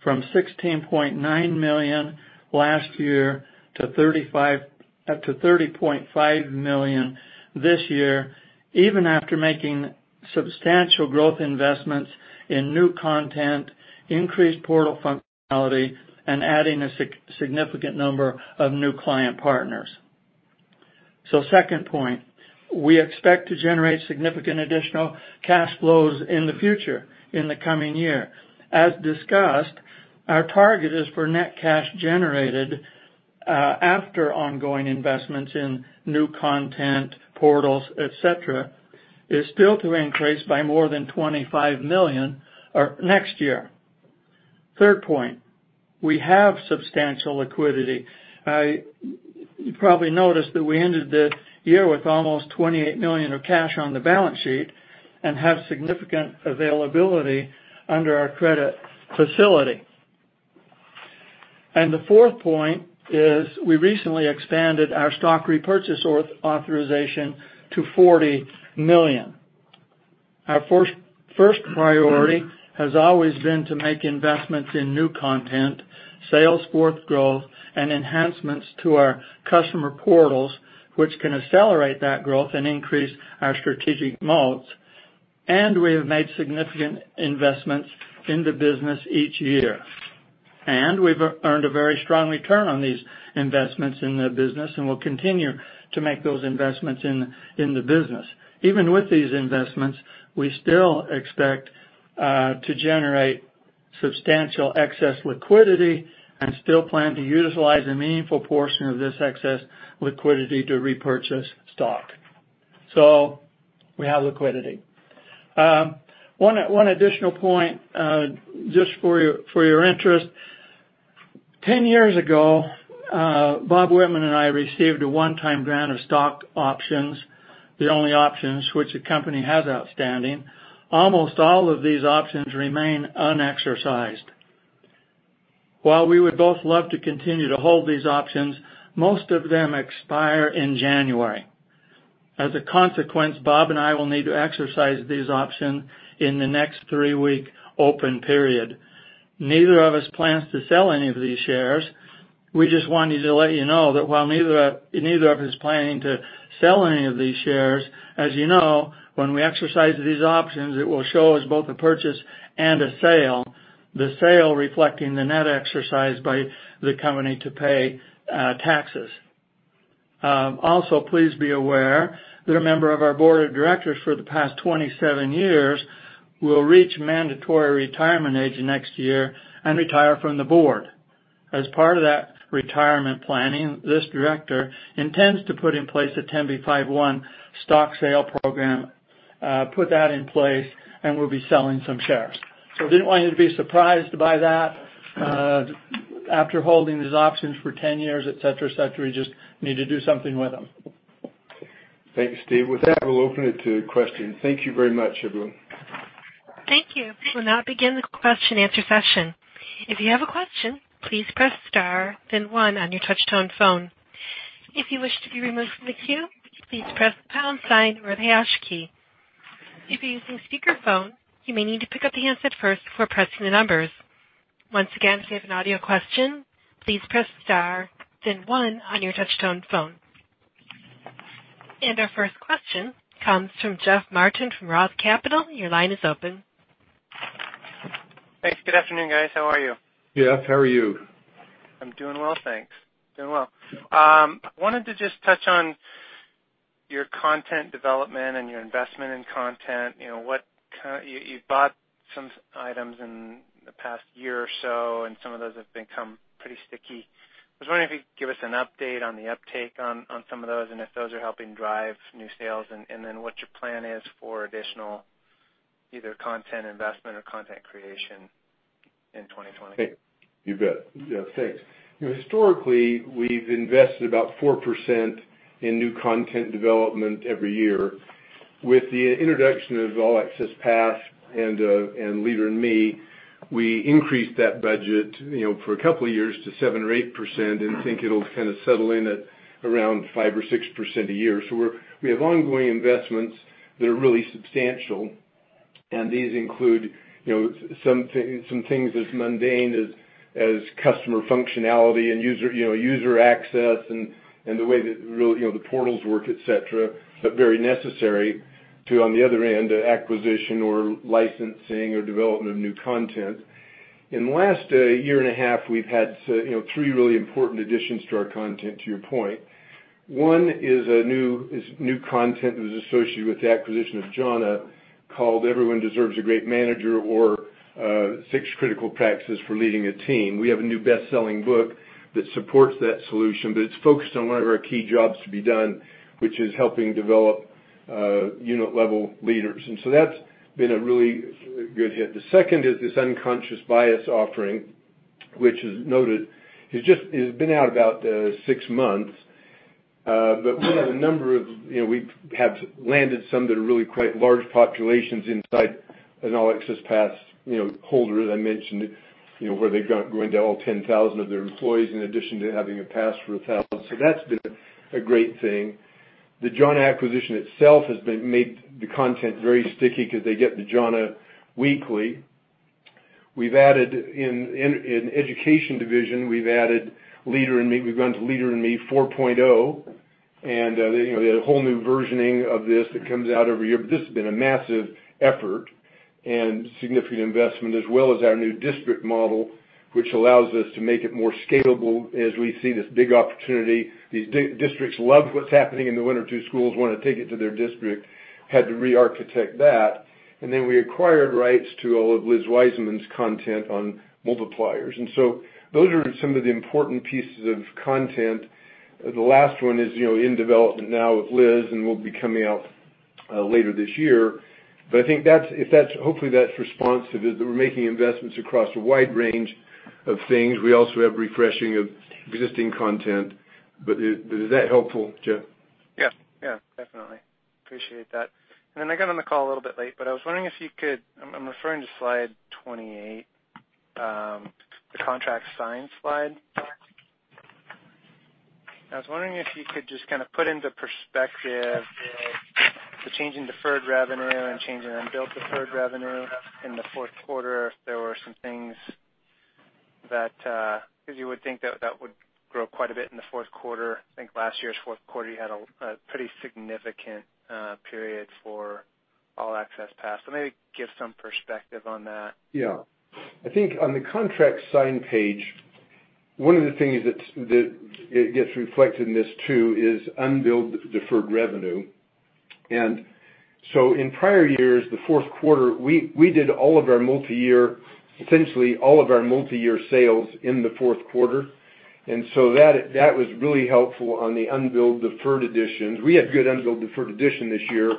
from $16.9 million last year up to $30.5 million this year, even after making substantial growth investments in new content, increased portal functionality, and adding a significant number of new client partners. Second point. We expect to generate significant additional cash flows in the future, in the coming year. As discussed, our target is for net cash generated after ongoing investments in new content, portals, et cetera, is still to increase by more than $25 million next year. Third point. We have substantial liquidity. You probably noticed that we ended the year with almost $28 million of cash on the balance sheet and have significant availability under our credit facility. The fourth point is we recently expanded our stock repurchase authorization to $40 million. Our first priority has always been to make investments in new content, sales force growth, and enhancements to our customer portals, which can accelerate that growth and increase our strategic moats. We have made significant investments in the business each year. We've earned a very strong return on these investments in the business and will continue to make those investments in the business. Even with these investments, we still expect to generate substantial excess liquidity and still plan to utilize a meaningful portion of this excess liquidity to repurchase stock. We have liquidity. One additional point, just for your interest. 10 years ago, Bob Whitman and I received a one-time grant of stock options, the only options which the company has outstanding. Almost all of these options remain unexercised. While we would both love to continue to hold these options, most of them expire in January. As a consequence, Bob and I will need to exercise these options in the next three-week open period. Neither of us plans to sell any of these shares. We just wanted to let you know that while neither of us is planning to sell any of these shares, as you know, when we exercise these options, it will show as both a purchase and a sale, the sale reflecting the net exercise by the company to pay taxes. Also, please be aware that a member of our board of directors for the past 27 years will reach mandatory retirement age next year and retire from the board. As part of that retirement planning, this director intends to put in place a 10b5-1 stock sale program and will be selling some shares. Didn't want you to be surprised by that. After holding these options for 10 years, et cetera, et cetera, you just need to do something with them. Thanks, Steve. With that, we'll open it to questions. Thank you very much, everyone. Thank you. We'll now begin the question answer session. If you have a question, please press star, then one on your touch-tone phone. If you wish to be removed from the queue, please press the pound sign or the hash key. If you're using speakerphone, you may need to pick up the handset first before pressing the numbers. Once again, if you have an audio question, please press star then one on your touch-tone phone. Our first question comes from Jeff Martin from ROTH Capital. Your line is open. Thanks. Good afternoon, guys. How are you? Jeff, how are you? I'm doing well, thanks. Doing well. Wanted to just touch on your content development and your investment in content. You bought some items in the past year or so, and some of those have become pretty sticky. I was wondering if you could give us an update on the uptake on some of those, and if those are helping drive new sales, and then what your plan is for additional either content investment or content creation in 2020? You bet. Yeah, thanks. Historically, we've invested about 4% in new content development every year. With the introduction of All Access Pass and Leader in Me, we increased that budget for a couple of years to 7% or 8% and think it'll kind of settle in at around 5% or 6% a year. We have ongoing investments that are really substantial, and these include some things as mundane as customer functionality and user access and the way that the portals work, et cetera, but very necessary to, on the other end, acquisition or licensing or development of new content. In the last one and a half years, we've had three really important additions to our content, to your point. One is new content that was associated with the acquisition of Jhana called "Everyone Deserves a Great Manager" or, "6 Critical Practices for Leading a Team." We have a new best-selling book that supports that solution, but it's focused on one of our key jobs to be done, which is helping develop unit-level leaders. That's been a really good hit. The second is this unconscious bias offering, which is noted. It's been out about six months, but we have landed some that are really quite large populations inside an All Access Pass holder, as I mentioned, where they go into all 10,000 of their employees in addition to having a pass for 1,000. That's been a great thing. The Jhana acquisition itself has made the content very sticky because they get the Jhana weekly. In Education Division, we've gone to Leader in Me 4.0. They had a whole new versioning of this that comes out every year. This has been a massive effort and significant investment, as well as our new district model, which allows us to make it more scalable as we see this big opportunity. These districts love what's happening in the one or two schools, want to take it to their district, had to re-architect that. We acquired rights to all of Liz Wiseman's content on Multipliers. Those are some of the important pieces of content. The last one is in development now with Liz, and will be coming out later this year. I think hopefully that's responsive. That we're making investments across a wide range of things. We also have refreshing of existing content. Is that helpful, Jeff? Yeah. Definitely. Appreciate that. I got on the call a little bit late. I'm referring to slide 28, the contract signed slide. I was wondering if you could just kind of put into perspective the change in deferred revenue and change in unbilled deferred revenue in the fourth quarter. If there were some things that, because you would think that would grow quite a bit in the fourth quarter. I think last year's fourth quarter, you had a pretty significant period for All Access Pass. Maybe give some perspective on that. Yeah. I think on the contract signed page, one of the things that gets reflected in this too is unbilled deferred revenue. In prior years, the fourth quarter, we did essentially all of our multi-year sales in the fourth quarter. That was really helpful on the unbilled deferred additions. We had good unbilled deferred addition this year,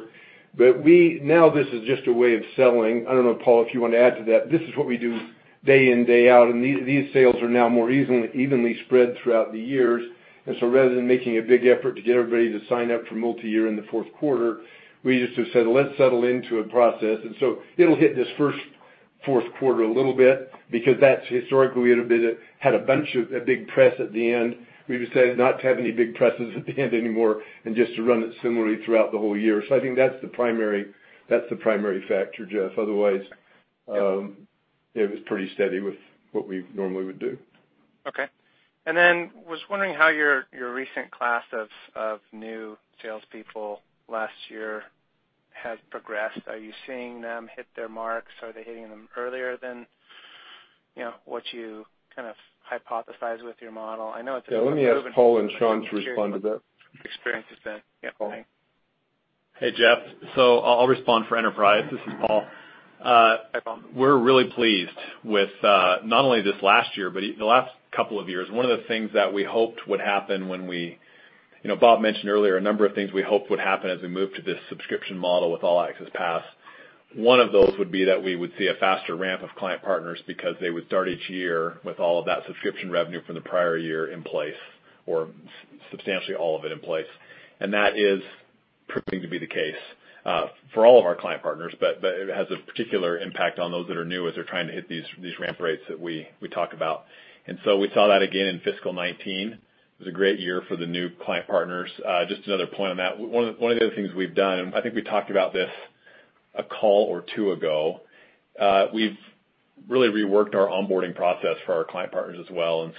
but now this is just a way of selling. I don't know, Paul, if you want to add to that. This is what we do day in, day out, these sales are now more evenly spread throughout the years. Rather than making a big effort to get everybody to sign up for multi-year in the fourth quarter, we just have said, "Let's settle into a process." It'll hit this first fourth quarter a little bit because that's historically we had a big press at the end. We've decided not to have any big presses at the end anymore and just to run it similarly throughout the whole year. I think that's the primary factor, Jeff. Yep. It was pretty steady with what we normally would do. Okay. I was wondering how your recent class of new salespeople last year has progressed. Are you seeing them hit their marks? Are they hitting them earlier than what you kind of hypothesized with your model? Yeah, let me ask Paul and Sean to respond to that. Experiences been. Yeah. Paul. Hey, Jeff. I'll respond for Enterprise. This is Paul. Hi, Paul. We're really pleased with not only this last year, but the last couple of years. One of the things that we hoped would happen, Bob mentioned earlier a number of things we hoped would happen as we moved to this subscription model with All Access Pass. One of those would be that we would see a faster ramp of client partners because they would start each year with all of that subscription revenue from the prior year in place, or substantially all of it in place. That is proving to be the case for all of our client partners, but it has a particular impact on those that are new as they're trying to hit these ramp rates that we talk about. We saw that again in fiscal 2019. It was a great year for the new client partners. Just another point on that. One of the other things we've done, I think we talked about this a call or two ago, we've really reworked our onboarding process for our client partners as well.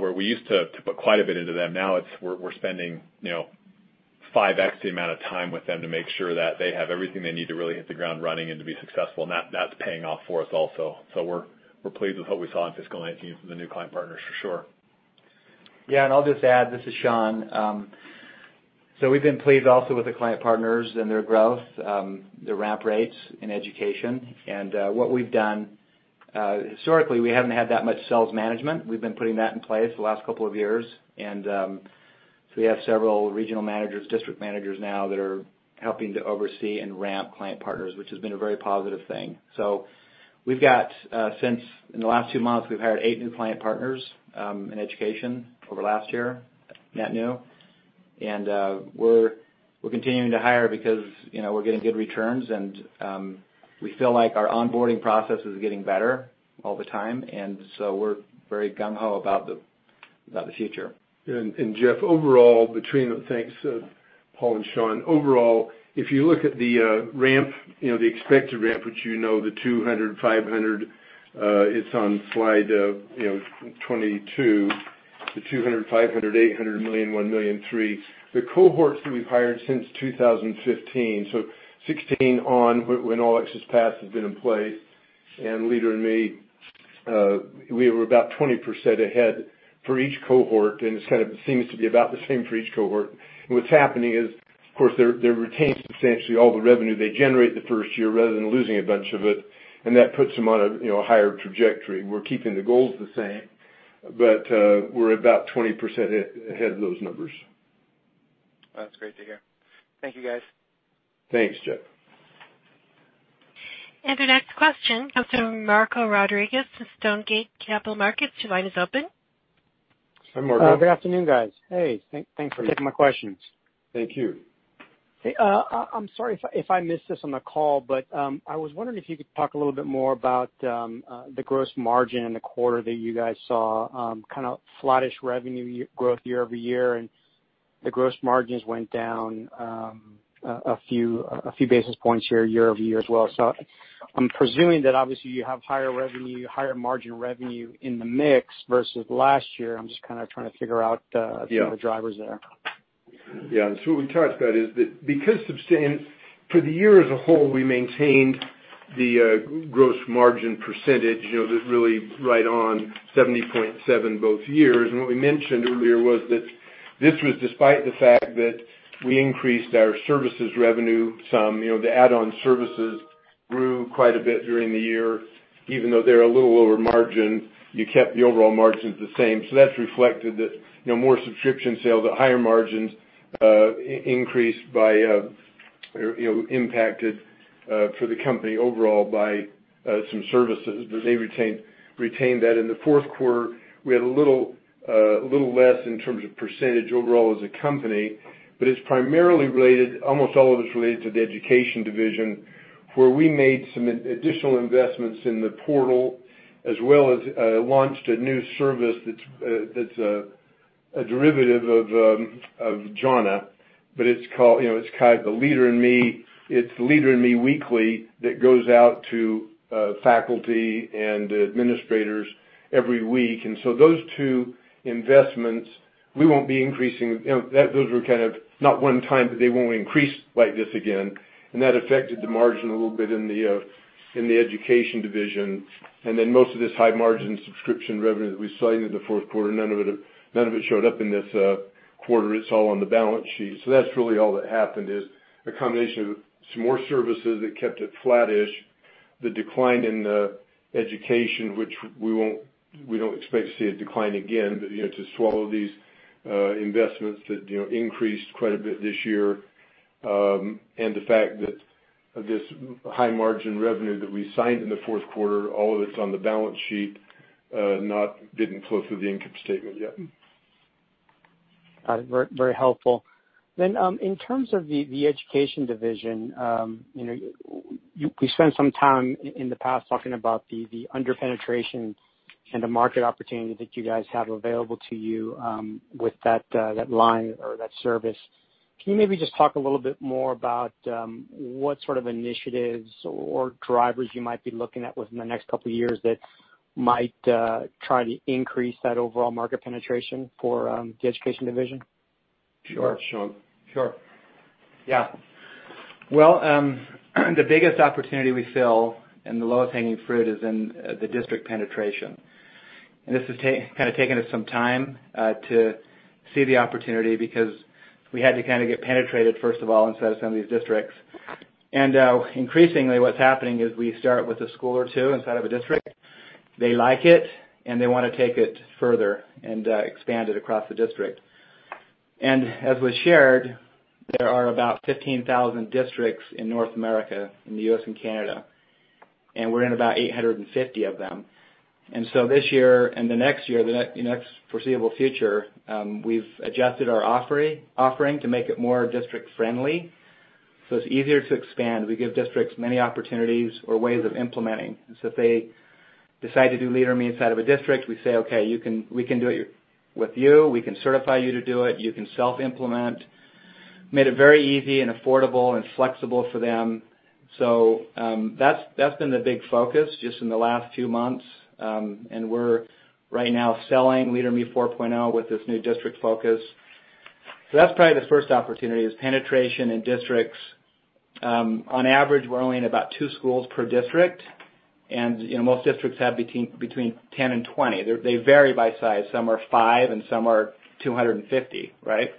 Where we used to put quite a bit into them, now we're spending 5x the amount of time with them to make sure that they have everything they need to really hit the ground running and to be successful. That's paying off for us also. We're pleased with what we saw in fiscal 2019 from the new client partners for sure. I'll just add, this is Sean. We've been pleased also with the client partners and their growth, their ramp rates in Education and what we've done. Historically, we haven't had that much sales management. We've been putting that in place the last couple of years. We have several regional managers, district managers now that are helping to oversee and ramp client partners, which has been a very positive thing. We've got, since in the last two months, we've hired eight new client partners, in Education over last year, net new. We're continuing to hire because we're getting good returns and we feel like our onboarding process is getting better all the time. We're very gung ho about the future. Jeff, overall, between the things Paul and Sean, overall, if you look at the expected ramp, which you know the $200, $500, it's on slide 22, the $200, $500, $800, $1 million, $1 million, $3 million. The cohorts that we've hired since 2015, so 2016 on when All Access Pass has been in place and Leader in Me, we were about 20% ahead for each cohort, and it kind of seems to be about the same for each cohort. What's happening is, of course, they retain substantially all the revenue they generate the first year rather than losing a bunch of it. That puts them on a higher trajectory. We're keeping the goals the same, but we're about 20% ahead of those numbers. That's great to hear. Thank you, guys. Thanks, Jeff. The next question comes from Marco Rodriguez from Stonegate Capital Markets. Your line is open. Hi, Marco. Good afternoon, guys. Hey, thanks for taking my questions. Thank you. Hey, I'm sorry if I missed this on the call, but I was wondering if you could talk a little bit more about the gross margin in the quarter that you guys saw, kind of flattish revenue growth YoY, and the gross margins went down a few basis points YoY as well. I'm presuming that obviously you have higher revenue, higher margin revenue in the mix versus last year. I'm just kind of trying to figure out the drivers there. Yeah. What we talked about is that because for the year as a whole, we maintained the gross margin percentage, that really right on 70.7% both years. What we mentioned earlier was that this was despite the fact that we increased our services revenue some. The add-on services grew quite a bit during the year. Even though they're a little lower margin, you kept the overall margins the same. That's reflected that more subscription sales at higher margins increased by, impacted for the company overall by some services, but they retained that. In the fourth quarter, we had a little less in terms of percentage overall as a company, but it's primarily related, almost all of it's related to the Education Division, where we made some additional investments in the portal, as well as launched a new service that's a derivative of Jhana, but it's kind of the Leader in Me Weekly that goes out to faculty and administrators every week. Those two investments, Those were kind of not one-time, but they won't increase like this again. That affected the margin a little bit in the Education Division. Most of this high-margin subscription revenue that we signed in the fourth quarter, none of it showed up in this quarter. It's all on the balance sheet. That's really all that happened is a combination of some more services that kept it flattish, the decline in the education, which we don't expect to see a decline again, to swallow these investments that increased quite a bit this year. The fact that this high margin revenue that we signed in the fourth quarter, all of it's on the balance sheet, not getting close to the income statement yet. Got it. Very helpful. In terms of the Education Division, we spent some time in the past talking about the under-penetration and the market opportunity that you guys have available to you with that line or that service. Can you maybe just talk a little bit more about what sort of initiatives or drivers you might be looking at within the next couple of years that might try to increase that overall market penetration for the Education Division? Sure. Sean. Sure. Yeah. Well, the biggest opportunity we feel and the lowest hanging fruit is in the district penetration. This has kind of taken us some time to see the opportunity because we had to kind of get penetrated first of all inside of some of these districts. Increasingly, what's happening is we start with a school or two inside of a district. They like it, and they want to take it further and expand it across the district. As was shared, there are about 15,000 districts in North America, in the U.S. and Canada, and we're in about 850 of them. This year and the next year, the next foreseeable future, we've adjusted our offering to make it more district-friendly, so it's easier to expand. We give districts many opportunities or ways of implementing. If they decide to do Leader in Me inside of a district, we say, "Okay, we can do it with you. We can certify you to do it. You can self-implement." Made it very easy and affordable and flexible for them. That's been the big focus just in the last few months. We're right now selling Leader in Me 4.0 with this new district focus. That's probably the first opportunity, is penetration in districts. On average, we're only in about two schools per district, and most districts have between 10 and 20. They vary by size. Some are five, and some are 250, right?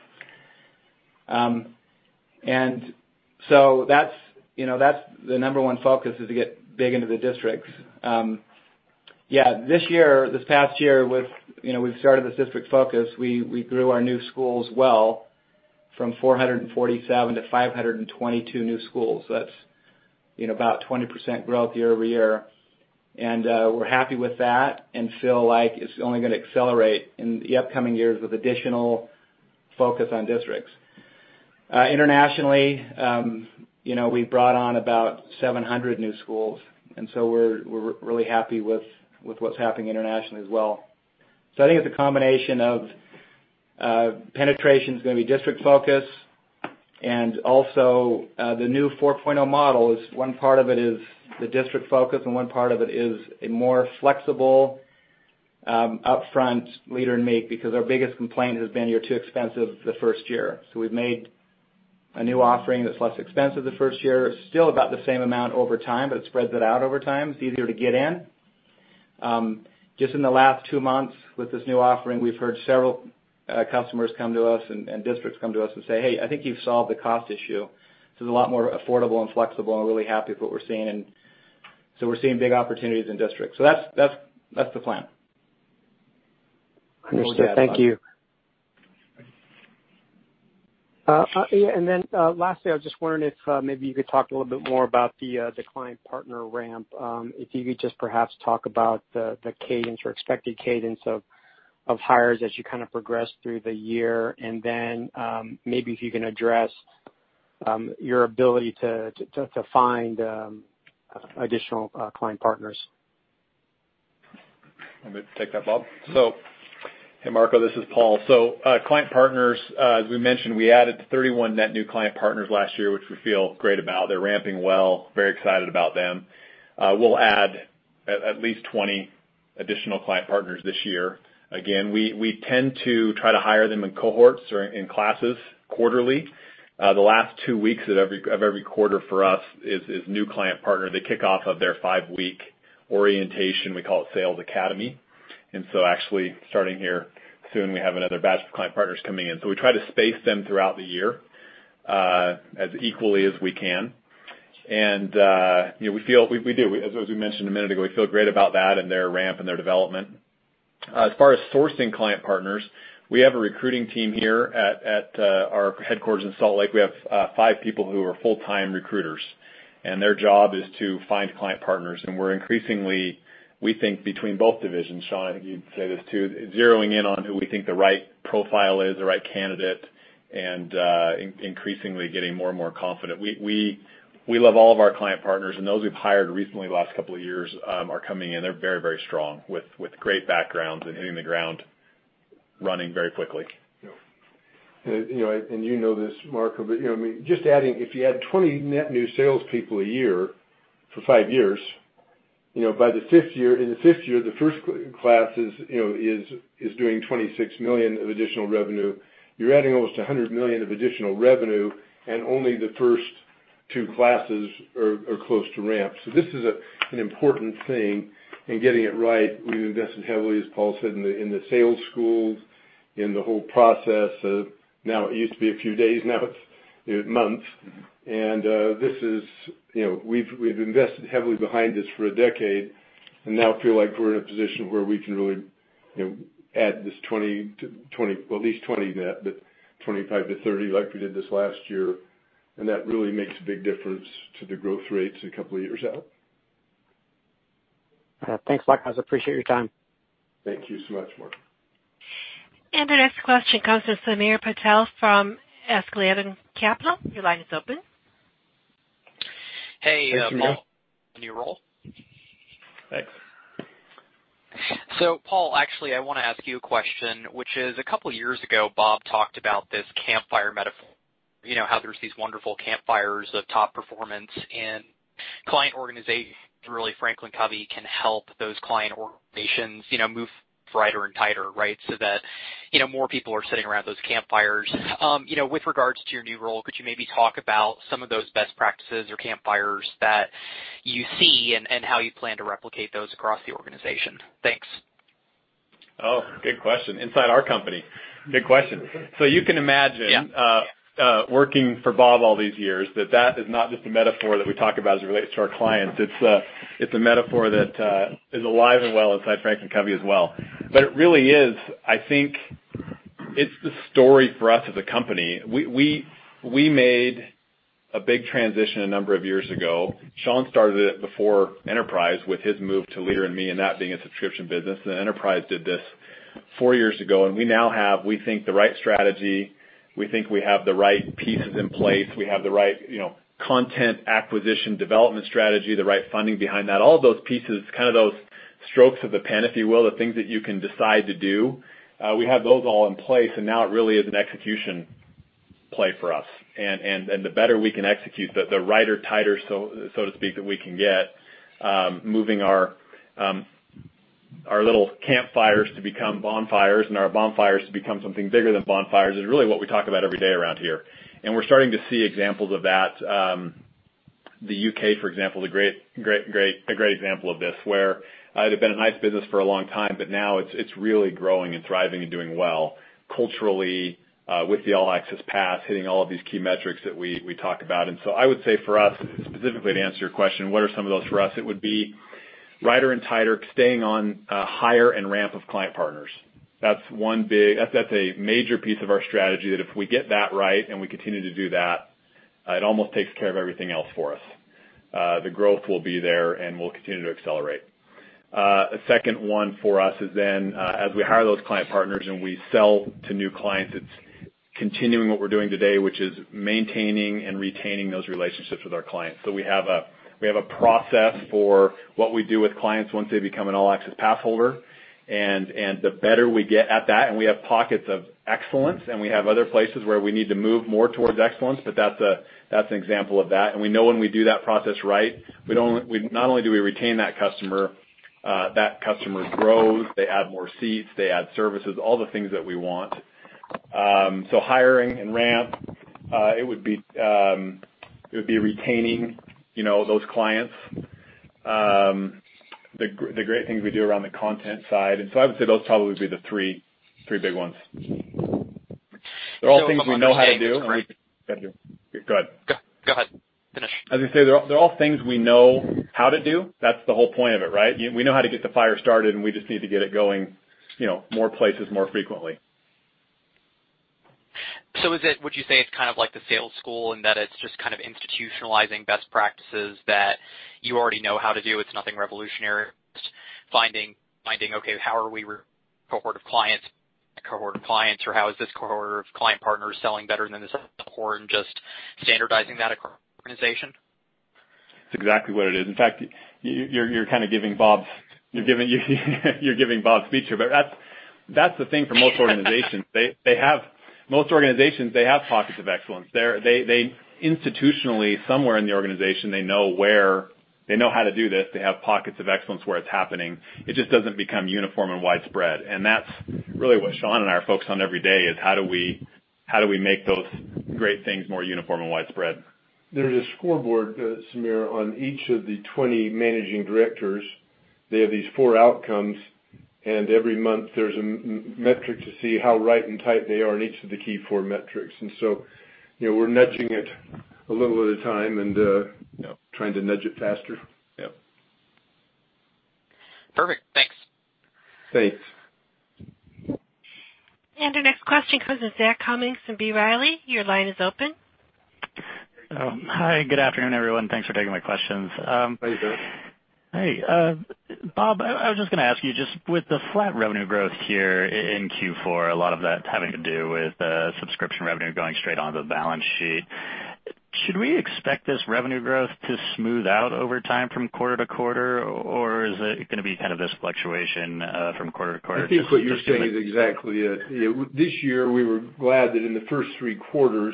That's the number one focus is to get big into the districts. Yeah. This past year, we've started this district focus. We grew our new schools well from 447 to 522 new schools. That's about 20% growth YoY. We're happy with that and feel like it's only going to accelerate in the upcoming years with additional focus on districts. Internationally, we've brought on about 700 new schools, we're really happy with what's happening internationally as well. I think it's a combination of penetration's going to be district-focused and also the new Leader in Me 4.0 model is one part of it is the district focus, and one part of it is a more flexible upfront Leader in Me, because our biggest complaint has been you're too expensive the first year. We've made a new offering that's less expensive the first year. It's still about the same amount over time, it spreads it out over time. It's easier to get in. Just in the last two months with this new offering, we've heard several customers come to us and districts come to us and say, "Hey, I think you've solved the cost issue. This is a lot more affordable and flexible and we're really happy with what we're seeing." We're seeing big opportunities in districts. That's the plan. Understood. Thank you. What would you add, Bob? Lastly, I was just wondering if maybe you could talk a little bit more about the client partner ramp. If you could just perhaps talk about the cadence or expected cadence of hires as you kind of progress through the year, and then maybe if you can address your ability to find additional client partners? You want me to take that, Bob? Hey, Marco, this is Paul. Client partners, as we mentioned, we added 31 net new client partners last year, which we feel great about. They're ramping well, very excited about them. We'll add at least 20 additional client partners this year. Again, we tend to try to hire them in cohorts or in classes quarterly. The last two weeks of every quarter for us is new client partner. They kick off of their five-week orientation. We call it Sales Academy. Actually starting here soon, we have another batch of client partners coming in. We try to space them throughout the year as equally as we can. We do, as we mentioned a minute ago, we feel great about that and their ramp and their development. As far as sourcing client partners, we have a recruiting team here at our headquarters in Salt Lake. We have five people who are full-time recruiters, and their job is to find client partners. We're increasingly, we think between both divisions, Sean, I think you'd say this too, zeroing in on who we think the right profile is, the right candidate, and increasingly getting more and more confident. We love all of our client partners and those we've hired recently the last couple of years are coming in. They're very strong with great backgrounds and hitting the ground running very quickly. Yeah. You know this, Marco, but just adding, if you add 20 net new salespeople a year for five years, by the fifth year, the first class is doing $26 million of additional revenue. You're adding almost $100 million of additional revenue and only the first two classes are close to ramp. This is an important thing and getting it right. We've invested heavily, as Paul said, in the sales schools, in the whole process of now it used to be a few days, now it's months. We've invested heavily behind this for a decade and now feel like we're in a position where we can really add this at least 20 net, but 25-30 like we did this last year. That really makes a big difference to the growth rates a couple of years out. Yeah. Thanks a lot, guys. Appreciate your time. Thank you so much, Marco. The next question comes from Samir Patel from Askeladden Capital. Your line is open. Hey, Paul. Hey, Samir. On your roll. Thanks. Paul, actually, I want to ask you a question, which is, a couple of years ago, Bob talked about this campfire metaphor, how there are these wonderful campfires of top performance and client organizations, really, Franklin Covey can help those client organizations move brighter and tighter, right? That more people are sitting around those campfires. With regards to your new role, could you maybe talk about some of those best practices or campfires that you see and how you plan to replicate those across the organization? Thanks. Oh, good question. Inside our company. Good question. You can imagine. Yeah. Working for Bob all these years that is not just a metaphor that we talk about as it relates to our clients. It's a metaphor that is alive and well inside Franklin Covey as well. It really is, I think it's the story for us as a company. We made a big transition a number of years ago. Sean started it before Enterprise with his move to Leader in Me, and that being a subscription business. Enterprise did this four years ago, and we now have, we think, the right strategy. We think we have the right pieces in place. We have the right content acquisition development strategy, the right funding behind that. All of those pieces, those strokes of the pen, if you will, the things that you can decide to do, we have those all in place, and now it really is an execution play for us. The better we can execute, the righter tighter, so to speak, that we can get, moving our little campfires to become bonfires and our bonfires to become something bigger than bonfires is really what we talk about every day around here. We're starting to see examples of that. The U.K., for example, is a great example of this, where it had been a nice business for a long time, but now it's really growing and thriving and doing well culturally, with the All Access Pass hitting all of these key metrics that we talk about. I would say for us, specifically to answer your question, what are some of those for us? It would be righter and tighter, staying on hire and ramp of client partners. That's a major piece of our strategy, that if we get that right and we continue to do that, it almost takes care of everything else for us. The growth will be there, and we'll continue to accelerate. A second one for us is then, as we hire those client partners and we sell to new clients, it's continuing what we're doing today, which is maintaining and retaining those relationships with our clients. We have a process for what we do with clients once they become an All Access Pass holder. The better we get at that, and we have pockets of excellence, and we have other places where we need to move more towards excellence, but that's an example of that. We know when we do that process right, not only do we retain that customer, that customer grows, they add more seats, they add services, all the things that we want. Hiring and ramp, it would be retaining those clients, the great things we do around the content side. I would say those probably would be the three big ones. They're all things we know how to do and we go ahead. Go ahead. Finish. As I say, they're all things we know how to do. That's the whole point of it, right? We know how to get the fire started, and we just need to get it going more places, more frequently. Would you say it's like the sales school in that it's just institutionalizing best practices that you already know how to do, it's nothing revolutionary. It's finding, okay, how is this cohort of client partners selling better than this other cohort, and just standardizing that across the organization? That's exactly what it is. In fact, you're giving Bob's speech here. That's the thing for most organizations. Most organizations, they have pockets of excellence. They institutionally, somewhere in the organization, they know how to do this. They have pockets of excellence where it's happening. It just doesn't become uniform and widespread. That's really what Sean and I are focused on every day, is how do we make those great things more uniform and widespread? There is a scoreboard, Samir, on each of the 20 managing directors. They have these four outcomes, every month there's a metric to see how right and tight they are in each of the key four metrics. We're nudging it a little at a time. Yep. Trying to nudge it faster. Yep. Perfect. Thanks. Thanks. Our next question comes from Zach Cummins from B. Riley. Your line is open. Hi, good afternoon, everyone. Thanks for taking my questions. Hey, Zach. Hey. Bob, I was just going to ask you, just with the flat revenue growth here in Q4, a lot of that having to do with subscription revenue going straight onto the balance sheet, should we expect this revenue growth to smooth out over time from quarter-to-quarter, or is it going to be this fluctuation from quarter-to-quarter? I think what you're saying is exactly it. This year, we were glad that in the first three quarters,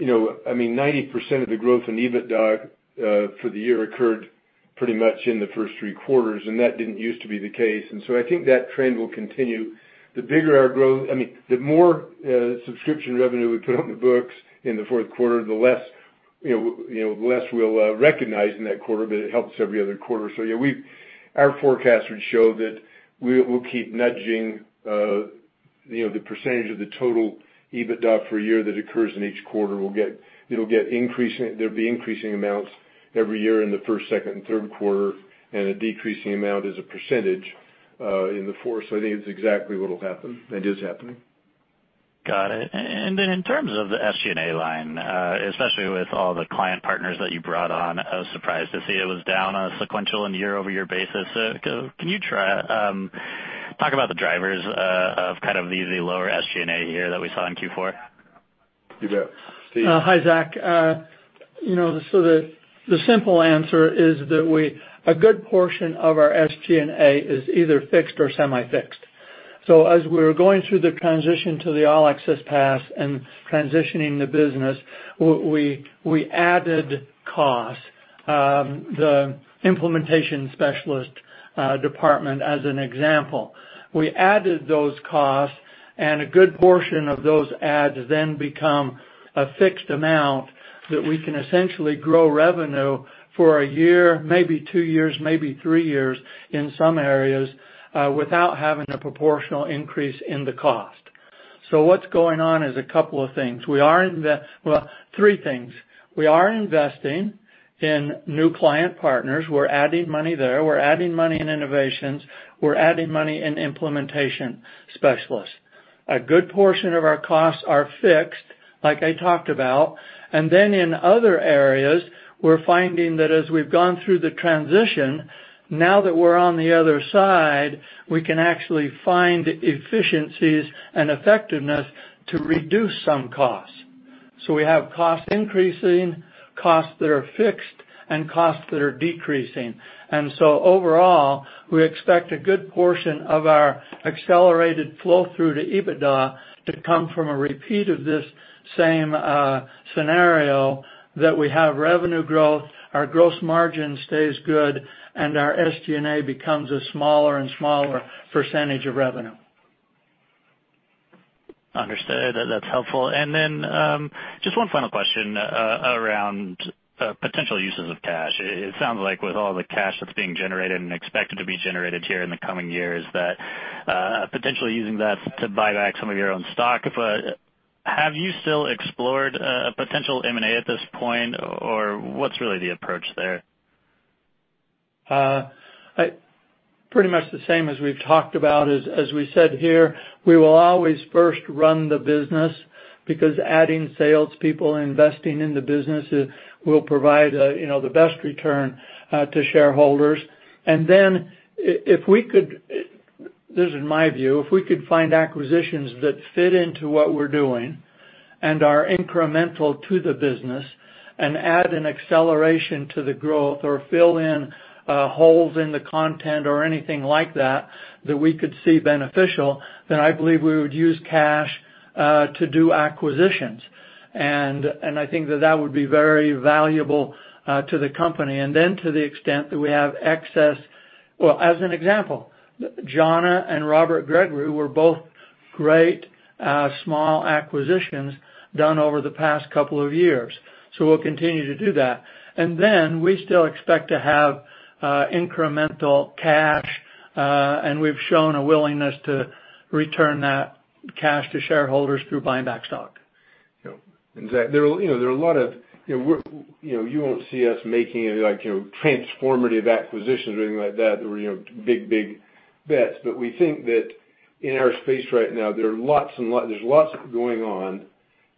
90% of the growth in EBITDA for the year occurred pretty much in the first three quarters, and that didn't used to be the case. I think that trend will continue. The more subscription revenue we put on the books in the fourth quarter, the less we'll recognize in that quarter, but it helps every other quarter. Yeah, our forecasts would show that we'll keep nudging the percentage of the total EBITDA for a year that occurs in each quarter. There'll be increasing amounts every year in the first, second, and third quarter, and a decreasing amount as a percentage in the fourth. I think it's exactly what'll happen, and is happening. Got it. In terms of the SG&A line, especially with all the client partners that you brought on, I was surprised to see it was down on a sequential and YoY basis. Can you talk about the drivers of the lower SG&A here that we saw in Q4? You bet. Steve? Hi, Zach. The simple answer is that a good portion of our SG&A is either fixed or semi-fixed. As we were going through the transition to the All Access Pass and transitioning the business, we added costs. The implementation specialist department as an example. We added those costs, and a good portion of those adds then become a fixed amount that we can essentially grow revenue for a year, maybe two years, maybe three years in some areas, without having a proportional increase in the cost. What's going on is a couple of things. Three things. We are investing in new client partners. We're adding money there. We're adding money in innovations. We're adding money in implementation specialists. A good portion of our costs are fixed, like I talked about. In other areas, we're finding that as we've gone through the transition, now that we're on the other side, we can actually find efficiencies and effectiveness to reduce some costs. We have costs increasing, costs that are fixed, and costs that are decreasing. Overall, we expect a good portion of our accelerated flow-through to EBITDA to come from a repeat of this same scenario that we have revenue growth, our gross margin stays good, and our SG&A becomes a smaller and smaller percentage of revenue. Understood. That's helpful. Just one final question around potential uses of cash. It sounds like with all the cash that's being generated and expected to be generated here in the coming years, that potentially using that to buy back some of your own stock. Have you still explored a potential M&A at this point, or what's really the approach there? Pretty much the same as we've talked about, as we said here, we will always first run the business because adding sales people, investing in the business will provide the best return to shareholders. This is my view, if we could find acquisitions that fit into what we're doing and are incremental to the business and add an acceleration to the growth or fill in holes in the content or anything like that we could see beneficial, then I believe we would use cash to do acquisitions. I think that that would be very valuable to the company. Well, as an example, Jhana and Robert Gregory were both great small acquisitions done over the past couple of years, so we'll continue to do that. We still expect to have incremental cash, and we've shown a willingness to return that cash to shareholders through buying back stock. Zach, you won't see us making any transformative acquisitions or anything like that, or big bets. We think that in our space right now, there's lots going on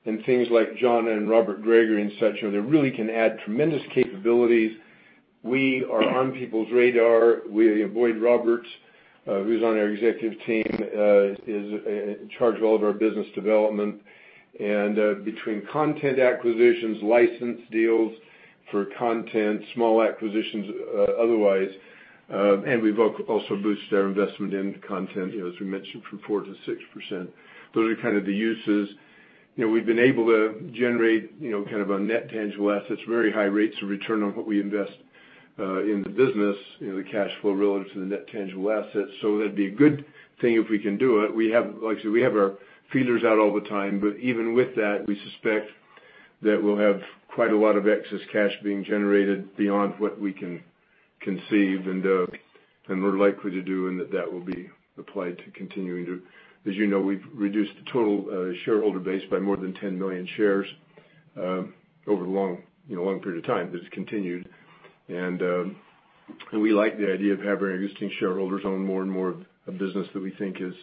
in things like Jhana and Robert Gregory and such that really can add tremendous capabilities. We are on people's radar. Boyd Roberts, who's on our executive team, is in charge of all of our business development. Between content acquisitions, license deals for content, small acquisitions otherwise, we've also boosted our investment in content, as we mentioned, from 4%-6%. Those are kind of the uses. We've been able to generate kind of our net tangible assets, very high rates of return on what we invest in the business, the cash flow relative to the net tangible assets. That'd be a good thing if we can do it. Like I said, we have our feelers out all the time. Even with that, we suspect that we'll have quite a lot of excess cash being generated beyond what we can conceive and we're likely to do, and that will be applied to continuing to. As you know, we've reduced the total shareholder base by more than 10 million shares over a long period of time, but it's continued. We like the idea of having our existing shareholders own more and more of a business that we think is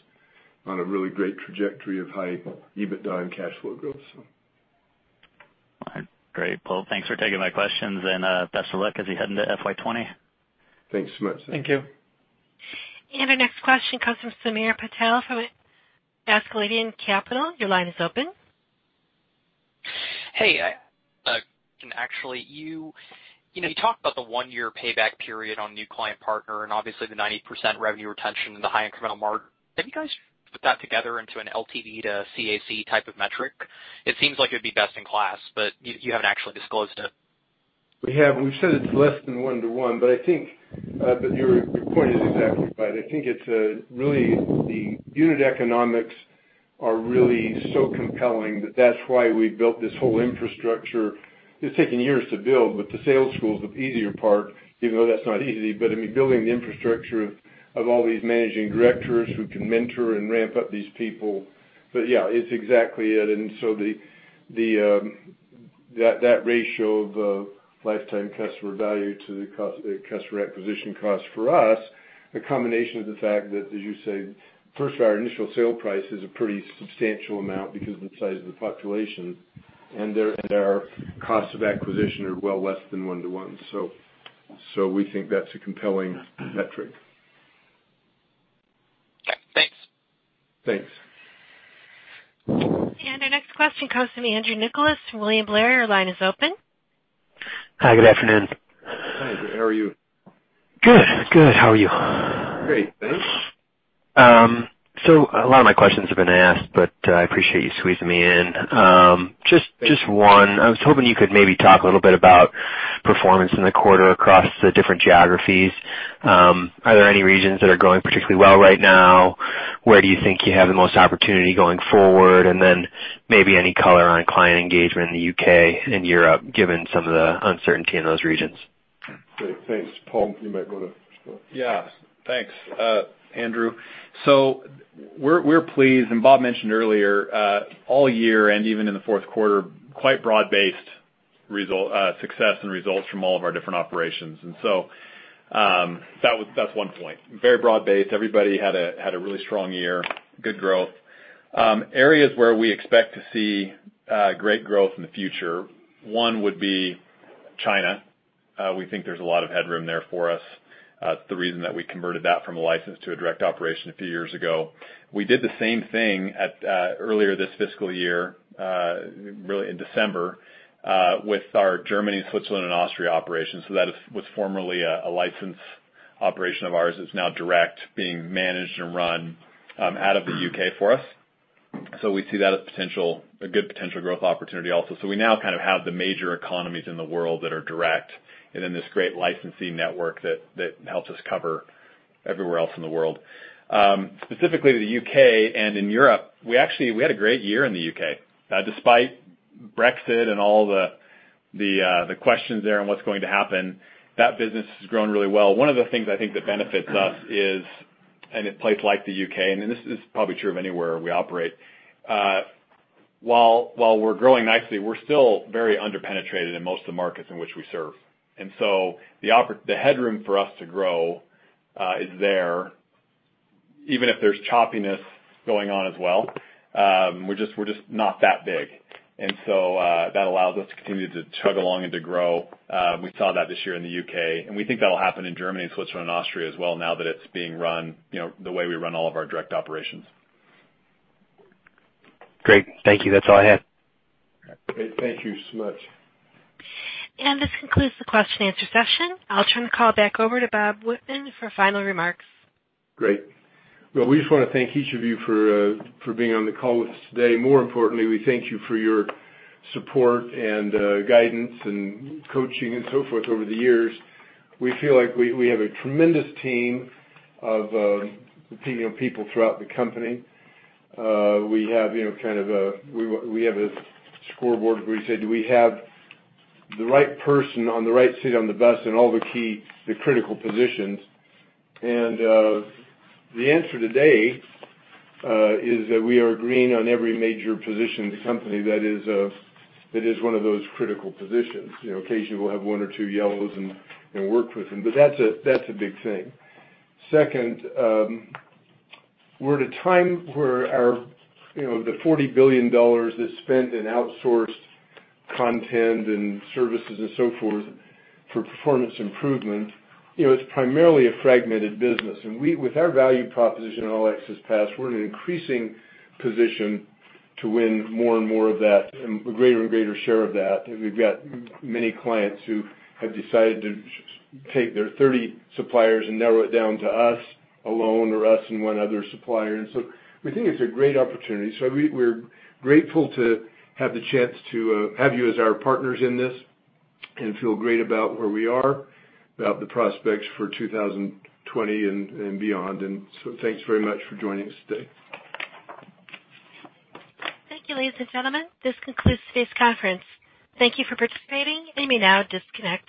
on a really great trajectory of high EBITDA and cash flow growth. All right. Great. Well, thanks for taking my questions, and best of luck as you head into FY 2020. Thanks so much. Thank you. Our next question comes from Samir Patel from Askeladden Capital. Your line is open. You talked about the one-year payback period on new client partner and obviously the 90% revenue retention and the high incremental margin. Have you guys put that together into an LTV to CAC type of metric? It seems like it would be best in class, but you haven't actually disclosed it. We have. We've said it's less than one to one, but your point is exactly right. I think it's really the unit economics are really so compelling that that's why we built this whole infrastructure. It's taken years to build, but the Sales Academy is the easier part, even though that's not easy. Building the infrastructure of all these managing directors who can mentor and ramp up these people. Yeah, it's exactly it. That ratio of lifetime customer value to the customer acquisition cost for us, a combination of the fact that, as you say, first of our initial sale price is a pretty substantial amount because of the size of the population, and their costs of acquisition are well less than one to one. We think that's a compelling metric. Okay, thanks. Thanks. Our next question comes from Andrew Nicholas from William Blair. Your line is open. Hi, good afternoon. Hi, how are you? Good. How are you? Great, thanks. A lot of my questions have been asked, but I appreciate you squeezing me in. Just one. I was hoping you could maybe talk a little bit about performance in the quarter across the different geographies. Are there any regions that are going particularly well right now? Where do you think you have the most opportunity going forward? Maybe any color on client engagement in the U.K. and Europe, given some of the uncertainty in those regions? Great. Thanks. Paul, you might go to Scott. Yeah. Thanks, Andrew. We're pleased, and Bob mentioned earlier, all year and even in the fourth quarter, quite broad-based. Success and results from all of our different operations. That is one point. Very broad-based. Everybody had a really strong year, good growth. Areas where we expect to see great growth in the future, one would be China. We think there is a lot of headroom there for us. It is the reason that we converted that from a license to a direct operation a few years ago. We did the same thing earlier this fiscal year, really in December, with our Germany, Switzerland, and Austria operations. That was formerly a licensed operation of ours. It is now direct, being managed and run out of the U.K. for us. We see that as a good potential growth opportunity also. We now kind of have the major economies in the world that are direct and then this great licensing network that helps us cover everywhere else in the world. Specifically to the U.K. and in Europe, we had a great year in the U.K. Despite Brexit and all the questions there on what's going to happen, that business has grown really well. One of the things I think that benefits us is, in a place like the U.K., and this is probably true of anywhere we operate, while we're growing nicely, we're still very under-penetrated in most of the markets in which we serve. The headroom for us to grow is there, even if there's choppiness going on as well. We're just not that big. That allows us to continue to chug along and to grow. We saw that this year in the U.K., and we think that'll happen in Germany and Switzerland and Austria as well now that it's being run the way we run all of our direct operations. Great. Thank you. That's all I had. Great. Thank you so much. This concludes the question and answer session. I'll turn the call back over to Bob Whitman for final remarks. Great. Well, we just want to thank each of you for being on the call with us today. More importantly, we thank you for your support and guidance and coaching and so forth over the years. We feel like we have a tremendous team of people throughout the company. We have a scoreboard where we say, do we have the right person on the right seat on the bus in all the key, critical positions? The answer today is that we are green on every major position in the company that is one of those critical positions. Occasionally, we'll have one or two yellows and work with them, but that's a big thing. Second, we're at a time where the $40 billion that's spent in outsourced content and services and so forth for performance improvement, it's primarily a fragmented business. With our value proposition and All Access Pass, we're in an increasing position to win more and more of that, and a greater and greater share of that. We've got many clients who have decided to take their 30 suppliers and narrow it down to us alone or us and one other supplier. We think it's a great opportunity. We're grateful to have the chance to have you as our partners in this and feel great about where we are, about the prospects for 2020 and beyond. Thanks very much for joining us today. Thank you, ladies and gentlemen. This concludes today's conference. Thank you for participating. You may now disconnect.